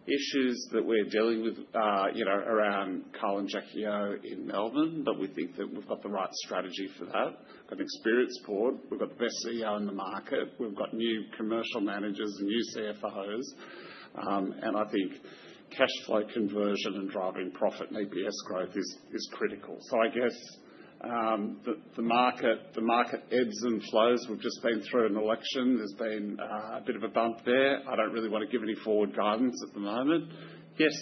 issues that we're dealing with around Kyle and Jackie O in Melbourne. We think that we've got the right strategy for that. We've got an experienced board. We've got the best CEO in the market. We've got new commercial managers and new CFOs. I think cash flow conversion and driving profit and EPS growth is critical. I guess the market ebbs and flows. We've just been through an election. There's been a bit of a bump there. I don't really want to give any forward guidance at the moment. Yes,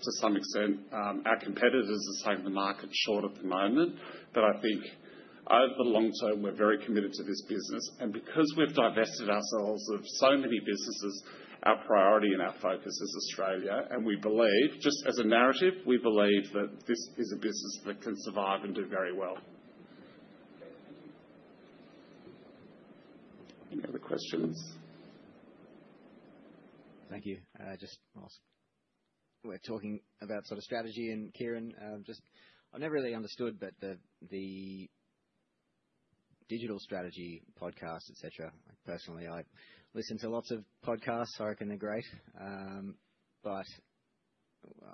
to some extent, our competitors are saying the market's short at the moment. I think over the long term, we're very committed to this business. Because we've divested ourselves of so many businesses, our priority and our focus is Australia. We believe, just as a narrative, we believe that this is a business that can survive and do very well. Any other questions? Thank you. Just we're talking about sort of strategy. Ciaran, I have never really understood, but the digital strategy, podcast, etc. Personally, I listen to lots of podcasts. I reckon they're great.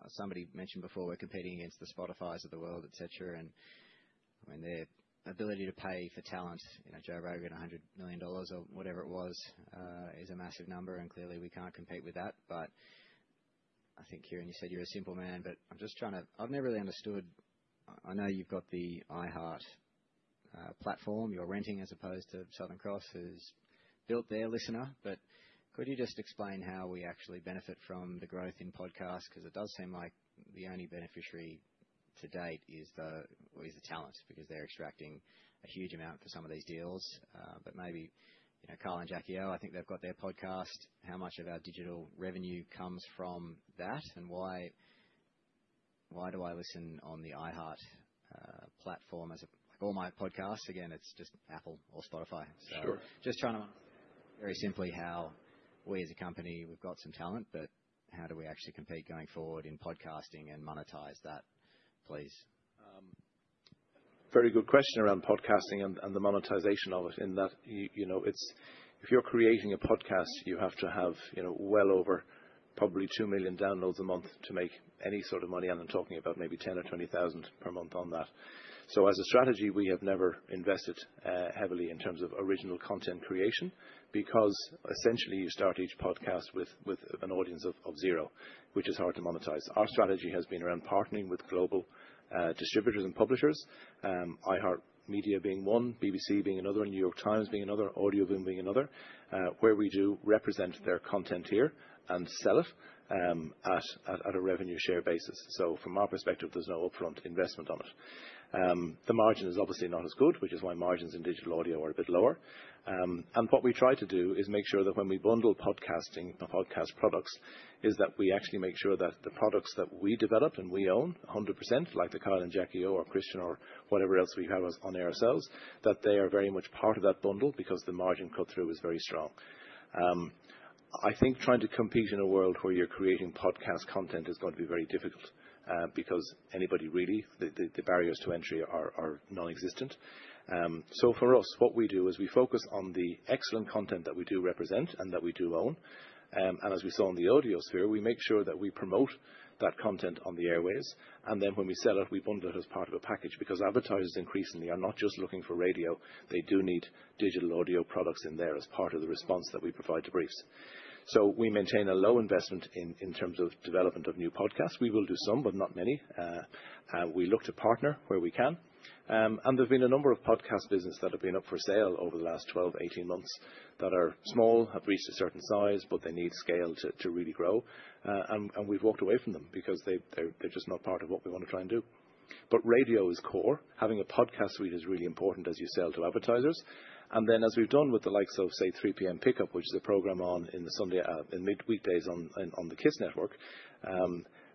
Somebody mentioned before we're competing against the Spotifys of the world, etc. I mean, their ability to pay for talent, Joe Rogan, $100 million or whatever it was, is a massive number. Clearly, we can't compete with that. I think, Ciaran, you said you're a simple man. I'm just trying to, I have never really understood. I know you've got the iHeart platform. You're renting, as opposed to Southern Cross, which has built their LiSTNR. Could you just explain how we actually benefit from the growth in podcasts? Because it does seem like the only beneficiary to date is the talent because they're extracting a huge amount for some of these deals. Maybe Kyle and Jackie O, I think they've got their podcast. How much of our digital revenue comes from that? Why do I listen on the iHeart platform as all my podcasts? Again, it's just Apple or Spotify. Just trying to understand very simply how we, as a company, we've got some talent, but how do we actually compete going forward in podcasting and monetise that, please? Very good question around podcasting and the monetisation of it, in that if you're creating a podcast, you have to have well over probably 2 million downloads a month to make any sort of money. I'm talking about maybe 10 or 20 thousand per month on that. As a strategy, we have never invested heavily in terms of original content creation because essentially you start each podcast with an audience of zero, which is hard to monetize. Our strategy has been around partnering with global distributors and publishers, iHeart Media being one, BBC being another, New York Times being another, Audioboom being another, where we do represent their content here and sell it at a revenue share basis. From our perspective, there is no upfront investment on it. The margin is obviously not as good, which is why margins in digital audio are a bit lower. What we try to do is make sure that when we bundle podcasting or podcast products, we actually make sure that the products that we develop and we own 100%, like the Kyle and Jackie O or Christian or whatever else we have on air ourselves, that they are very much part of that bundle because the margin cut-through is very strong. I think trying to compete in a world where you're creating podcast content is going to be very difficult because anybody really, the barriers to entry are non-existent. For us, what we do is we focus on the excellent content that we do represent and that we do own. As we saw in the audio sphere, we make sure that we promote that content on the airwaves. When we sell it, we bundle it as part of a package because advertisers increasingly are not just looking for radio. They do need digital audio products in there as part of the response that we provide to briefs. We maintain a low investment in terms of development of new podcasts. We will do some, but not many. We look to partner where we can. There have been a number of podcast businesses that have been up for sale over the last 12-18 months that are small, have reached a certain size, but they need scale to really grow. We have walked away from them because they are just not part of what we want to try and do. Radio is core. Having a podcast suite is really important as you sell to advertisers. As we have done with the likes of, say, 3 PM Pickup, which is a program on in the Sunday and mid-weekdays on the KIIS Network,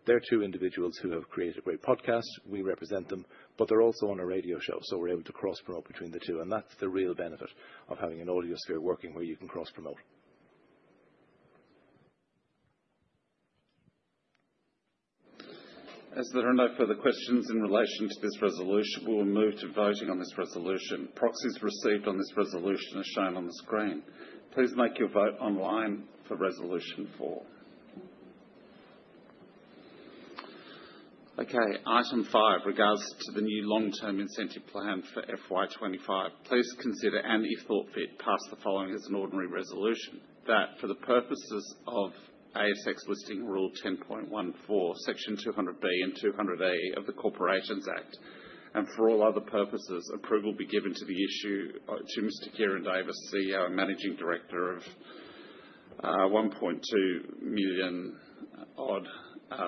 they are two individuals who have created a great podcast. We represent them, but they are also on a radio show. We are able to cross-promote between the two. That is the real benefit of having an audio sphere working where you can cross-promote. As there are no further questions in relation to this resolution, we will move to voting on this resolution. Proxies received on this resolution are shown on the screen. Please make your vote online for resolution four. Item five regards the new long-term incentive plan for FY2025. Please consider and, if thought fit, pass the following as an ordinary resolution: that for the purposes of ASX Listing Rule 10.14, Section 200B and 200A of the Corporations Act, and for all other purposes, approval be given to the issue to Mr. Ciaran Davis, CEO and Managing Director, of 1.2 million odd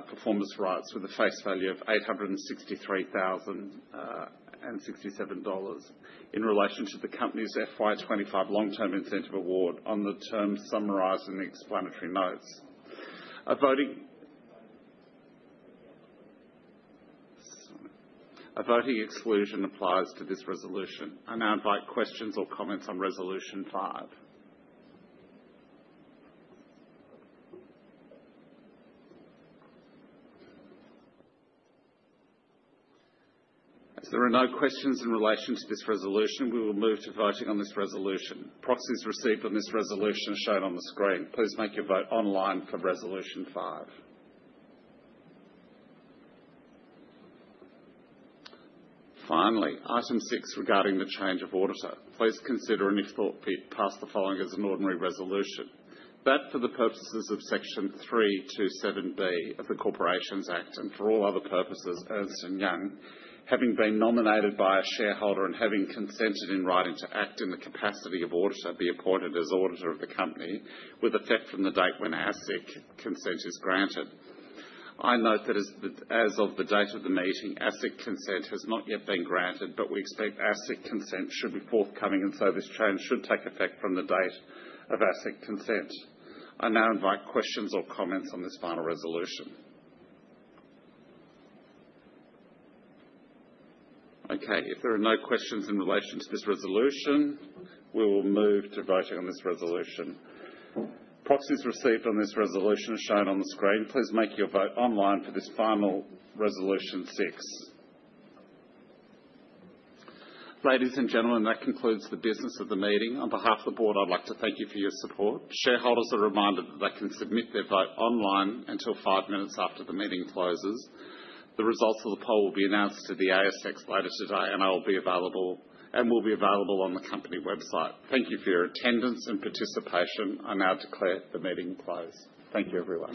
performance rights with a face value of 863,067 dollars in relation to the company's FY25 long-term incentive award on the terms summarised in the explanatory notes. A voting exclusion applies to this resolution. I now invite questions or comments on Resolution 5. As there are no questions in relation to this resolution, we will move to voting on this resolution. Proxies received on this resolution are shown on the screen. Please make your vote online for Resolution 5. Finally, item six regarding the change of auditor. Please consider and, if thought fit, pass the following as an ordinary resolution: that for the purposes of Section 327B of the Corporations Act and for all other purposes, Ernst & Young, having been nominated by a shareholder and having consented in writing to act in the capacity of auditor, be appointed as auditor of the company with effect from the date when ASIC consent is granted. I note that as of the date of the meeting, ASIC consent has not yet been granted, but we expect ASIC consent should be forthcoming. This change should take effect from the date of ASIC consent. I now invite questions or comments on this final resolution. Okay. If there are no questions in relation to this resolution, we will move to voting on this resolution. Proxies received on this resolution are shown on the screen. Please make your vote online for this final Resolution 6. Ladies and gentlemen, that concludes the business of the meeting. On behalf of the Board, I'd like to thank you for your support. Shareholders are reminded that they can submit their vote online until five minutes after the meeting closes. The results of the poll will be announced to the ASX later today, and they will be available on the company website. Thank you for your attendance and participation. I now declare the meeting closed. Thank you, everyone.